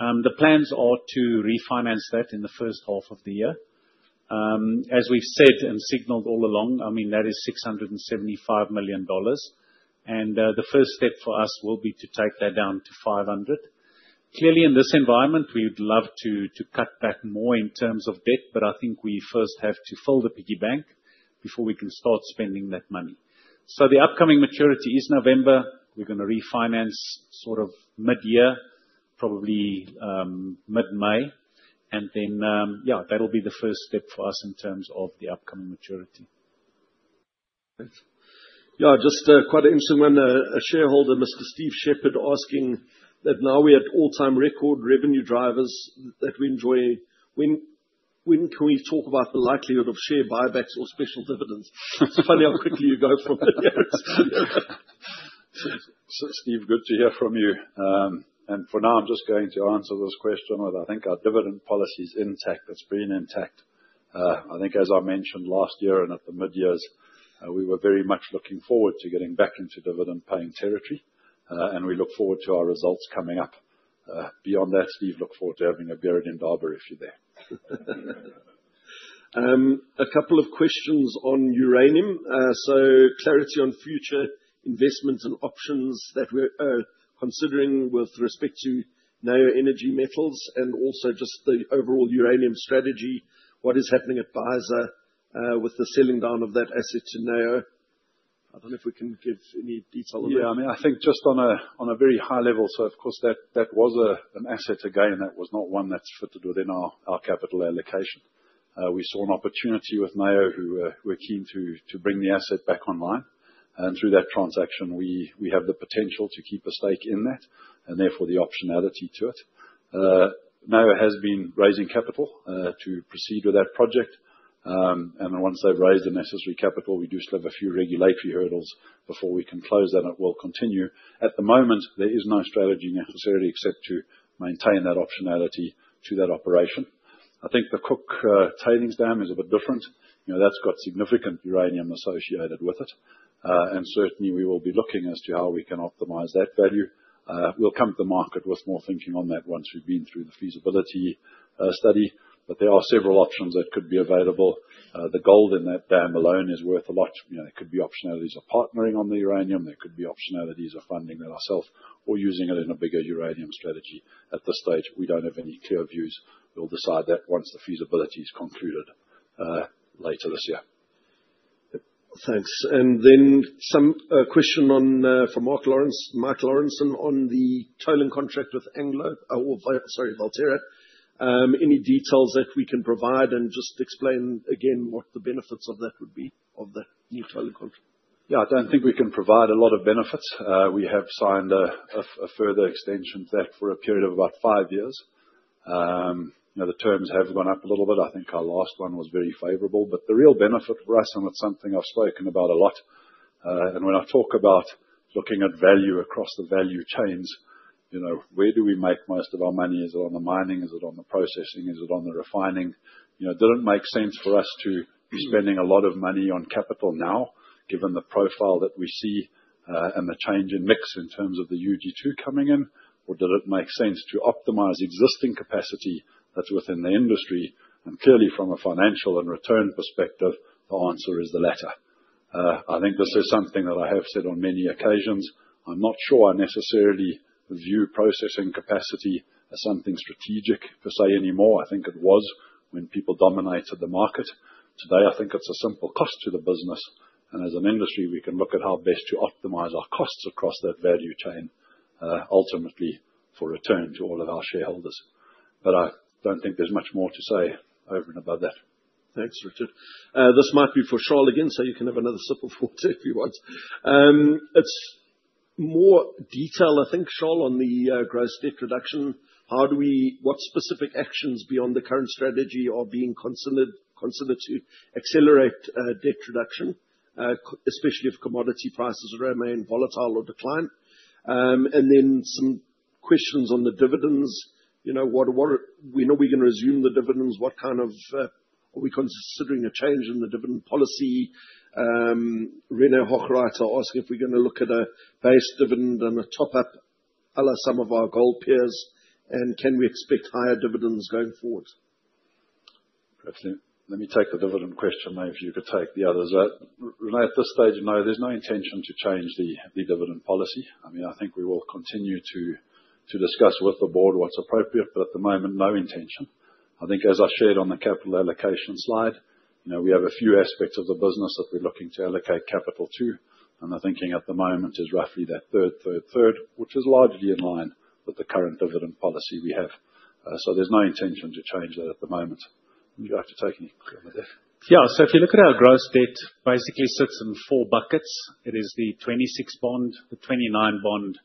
The plans are to refinance that in the first half of the year. As we've said and signaled all along, that is $675 million. The first step for us will be to take that down to $500 million. Clearly, in this environment, we would love to cut back more in terms of debt, I think we first have to fill the piggy bank before we can start spending that money. The upcoming maturity is November. We're going to refinance sort of mid-year, probably mid-May, that'll be the first step for us in terms of the upcoming maturity. Thanks. Just quite an interesting one. A shareholder, Mr. Steve Shepherd, asking that now we're at all-time record revenue drivers that we enjoy. When can we talk about the likelihood of share buybacks or special dividends? It's funny how quickly you go from Steve, good to hear from you. For now, I'm just going to answer this question, that I think our dividend policy is intact. It's been intact. I think as I mentioned last year and at the mid-years, we were very much looking forward to getting back into dividend paying territory. We look forward to our results coming up. Beyond that, Steve, look forward to having a beer in Barber if you're there. A couple of questions on uranium. Clarity on future investments and options that we're considering with respect to Mayo Energy Metals and also just the overall uranium strategy. What is happening at Visor with the selling down of that asset to Mayo? I don't know if we can give any detail on that. I think just on a very high level, of course that was an asset again, that was not one that's fit within our capital allocation. We saw an opportunity with Mayo, who were keen to bring the asset back online. Through that transaction, we have the potential to keep a stake in that, and therefore the optionality to it. Mayo has been raising capital to proceed with that project. Once they've raised the necessary capital, we do still have a few regulatory hurdles before we can close that, and it will continue. At the moment, there is no strategy necessarily except to maintain that optionality to that operation. I think the Cook tailings dam is a bit different. That's got significant uranium associated with it. Certainly, we will be looking as to how we can optimize that value. We'll come to the market with more thinking on that once we've been through the feasibility study, there are several options that could be available. The gold in that dam alone is worth a lot. There could be optionalities of partnering on the uranium, there could be optionalities of funding it ourself or using it in a bigger uranium strategy. At this stage, we don't have any clear views. We'll decide that once the feasibility is concluded later this year. Thanks. Some question from Mark Lawrenson on the tolling contract with Valtera. Any details that we can provide? Just explain again what the benefits of that would be, of that new tolling contract. I don't think we can provide a lot of benefits. We have signed a further extension to that for a period of about five years. The terms have gone up a little bit. I think our last one was very favorable. The real benefit for us, and it's something I've spoken about a lot, when I talk about looking at value across the value chains, where do we make most of our money? Is it on the mining? Is it on the processing? Is it on the refining? It doesn't make sense for us to be spending a lot of money on capital now, given the profile that we see and the change in mix in terms of the UG2 coming in. Does it make sense to optimize existing capacity that's within the industry? Clearly, from a financial and return perspective, the answer is the latter. I think this is something that I have said on many occasions. I'm not sure I necessarily view processing capacity as something strategic per se anymore. I think it was when people dominated the market. Today, I think it's a simple cost to the business. As an industry, we can look at how best to optimize our costs across that value chain, ultimately for return to all of our shareholders. I don't think there's much more to say over and above that. Thanks, Richard. This might be for Charles again, so you can have another sip of water if you want. It's more detail, I think, Charles, on the gross debt reduction. What specific actions beyond the current strategy are being considered to accelerate debt reduction, especially if commodity prices remain volatile or decline? Then some questions on the dividends. We know we're going to resume the dividends. Are we considering a change in the dividend policy? René Hochreiter asking if we're going to look at a base dividend and a top-up, à la some of our gold peers, and can we expect higher dividends going forward? Let me take the dividend question. Maybe you could take the others. Rene, at this stage, no. There's no intention to change the dividend policy. I think we will continue to discuss with the board what's appropriate. At the moment, no intention. I think as I shared on the capital allocation slide. We have a few aspects of the business that we're looking to allocate capital to. The thinking at the moment is roughly that third, third, which is largely in line with the current dividend policy we have. There's no intention to change that at the moment. Would you like to take any of that? Yeah. If you look at our gross debt, basically sits in four buckets. It is the '26 bond, the '29 bond,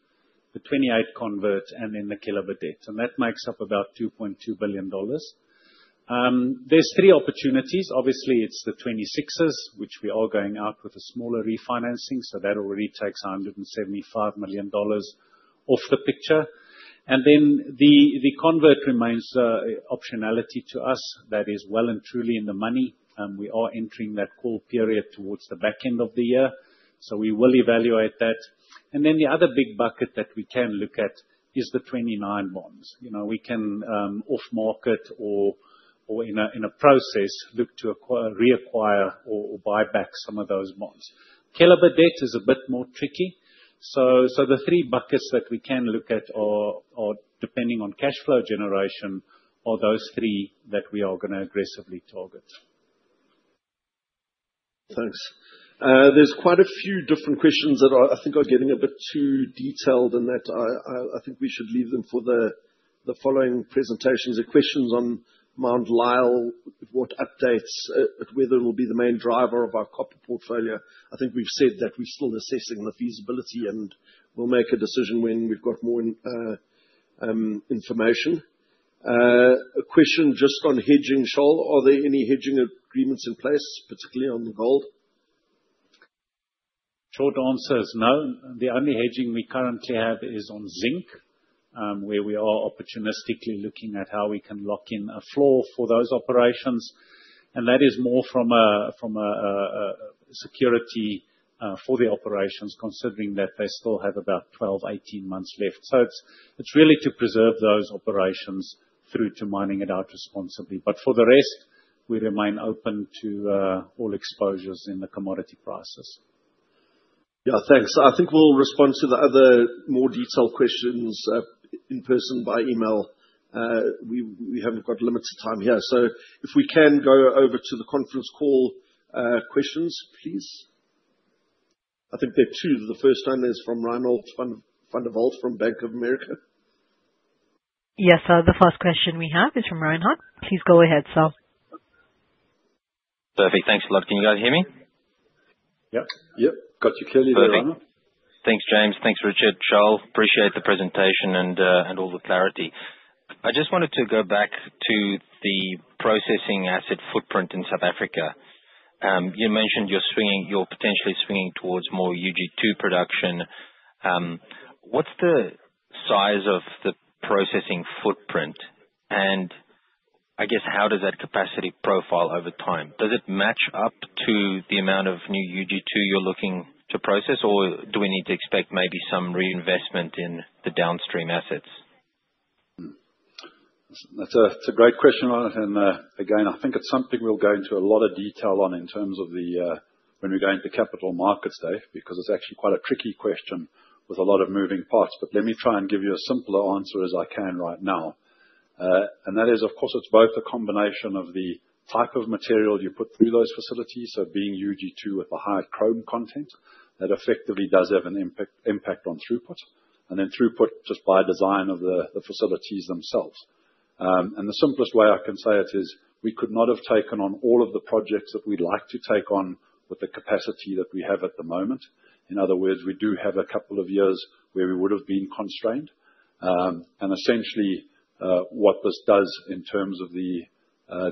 the '28 convert, and then the Keliber debt, and that makes up about $2.2 billion. There's three opportunities. Obviously, it's the '26s, which we are going out with a smaller refinancing, so that already takes $175 million off the picture. Then the convert remains optionality to us. That is well and truly in the money. We are entering that call period towards the back end of the year. We will evaluate that. Then the other big bucket that we can look at is the '29 bonds. We can off-market or in a process look to reacquire or buy back some of those bonds. Keliber debt is a bit trickier. The three buckets that we can look at are, depending on cash flow generation, are those three that we are going to aggressively target. Thanks. There's quite a few different questions that I think are getting a bit too detailed and that I think we should leave them for the following presentations. The questions on Mount Lyell, what updates, whether it will be the main driver of our copper portfolio. I think we've said that we're still assessing the feasibility, and we'll make a decision when we've got more information. A question just on hedging, Charles. Are there any hedging agreements in place, particularly on the gold? Short answer is no. The only hedging we currently have is on zinc, where we are opportunistically looking at how we can lock in a floor for those operations. That is more from a security for the operations, considering that they still have about 12, 18 months left. It's really to preserve those operations through to mining it out responsibly. For the rest, we remain open to all exposures in the commodity prices. Yeah, thanks. I think we'll respond to the other more detailed questions in person by email. We have got limited time here. If we can go over to the conference call questions, please. I think there are two. The first one is from Reinhold van der Walt from Bank of America. Yes. The first question we have is from Reinhold. Please go ahead, sir. Perfect. Thanks a lot. Can you guys hear me? Yep. Yep. Got you clearly there, Reinhold. Perfect. Thanks, James. Thanks, Richard. Charles, appreciate the presentation and all the clarity. I just wanted to go back to the processing asset footprint in South Africa. You mentioned you're potentially swinging towards more UG2 production. What's the size of the processing footprint? I guess, how does that capacity profile over time? Does it match up to the amount of new UG2 you're looking to process, or do we need to expect maybe some reinvestment in the downstream assets? That's a great question, Reinhold. Again, I think it's something we'll go into a lot of detail on in terms of when we go into Capital Markets Day, because it's actually quite a tricky question with a lot of moving parts. Let me try and give you a simpler answer as I can right now. That is, of course, it's both a combination of the type of material you put through those facilities, so being UG2 with a high chrome content, that effectively does have an impact on throughput, and then throughput just by design of the facilities themselves. The simplest way I can say it is we could not have taken on all of the projects that we'd like to take on with the capacity that we have at the moment. In other words, we do have a couple of years where we would have been constrained. Essentially, what this does in terms of the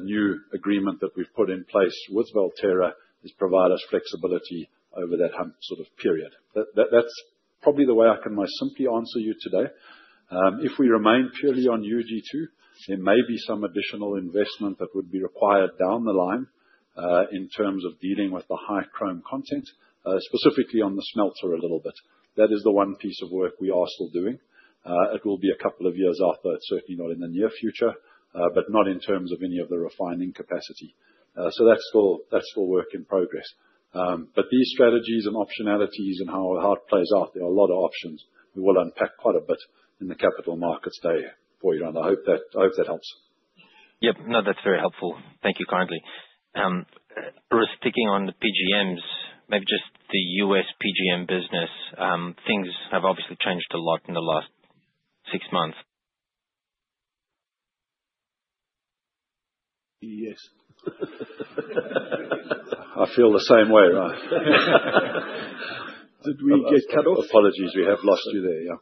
new agreement that we've put in place with Valterra is provide us flexibility over that hump period. That's probably the way I can most simply answer you today. If we remain purely on UG2, there may be some additional investment that would be required down the line, in terms of dealing with the high chrome content, specifically on the smelter a little bit. That is the one piece of work we are still doing. It will be a couple of years out, though. It's certainly not in the near future, but not in terms of any of the refining capacity. That's still work in progress. These strategies and optionalities and how it plays out, there are a lot of options. We will unpack quite a bit in the Capital Markets Day for you, and I hope that helps. Yep. No, that's very helpful. Thank you kindly. Bruce, sticking on the PGMs, maybe just the U.S. PGM business. Things have obviously changed a lot in the last six months. Yes. I feel the same way, Reinhold. Did we get cut off? Apologies. We have lost you there, yeah.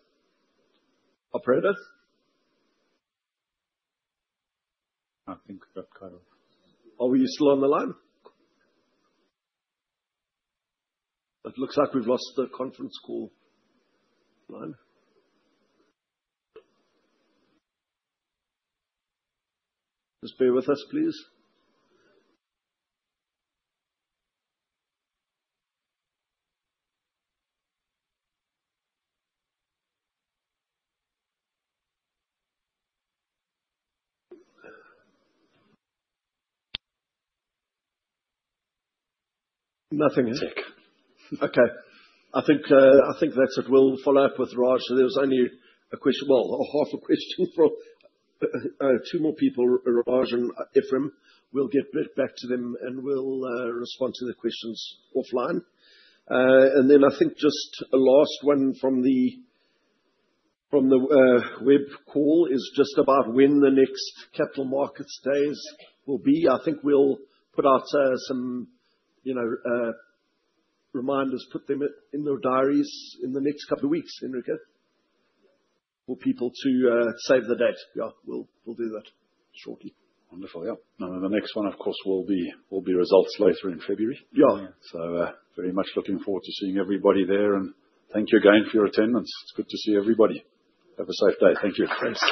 Operator? I think we got cut off. Are we still on the line? It looks like we've lost the conference call line. Just bear with us, please. Nothing is back. Okay. I think that's it. We'll follow up with Raj. There's only a question-- well, half a question from two more people, Raj and Ephraim. We'll get right back to them, and we'll respond to the questions offline. I think just a last one from the web call is just about when the next Capital Markets Days will be. I think we'll put out some reminders, put them in their diaries in the next couple of weeks, Enrique, for people to save the date. Yeah. We'll do that shortly. Wonderful. Yeah. The next one, of course, will be results later in February. Yeah. Very much looking forward to seeing everybody there, and thank you again for your attendance. It's good to see everybody. Have a safe day. Thank you.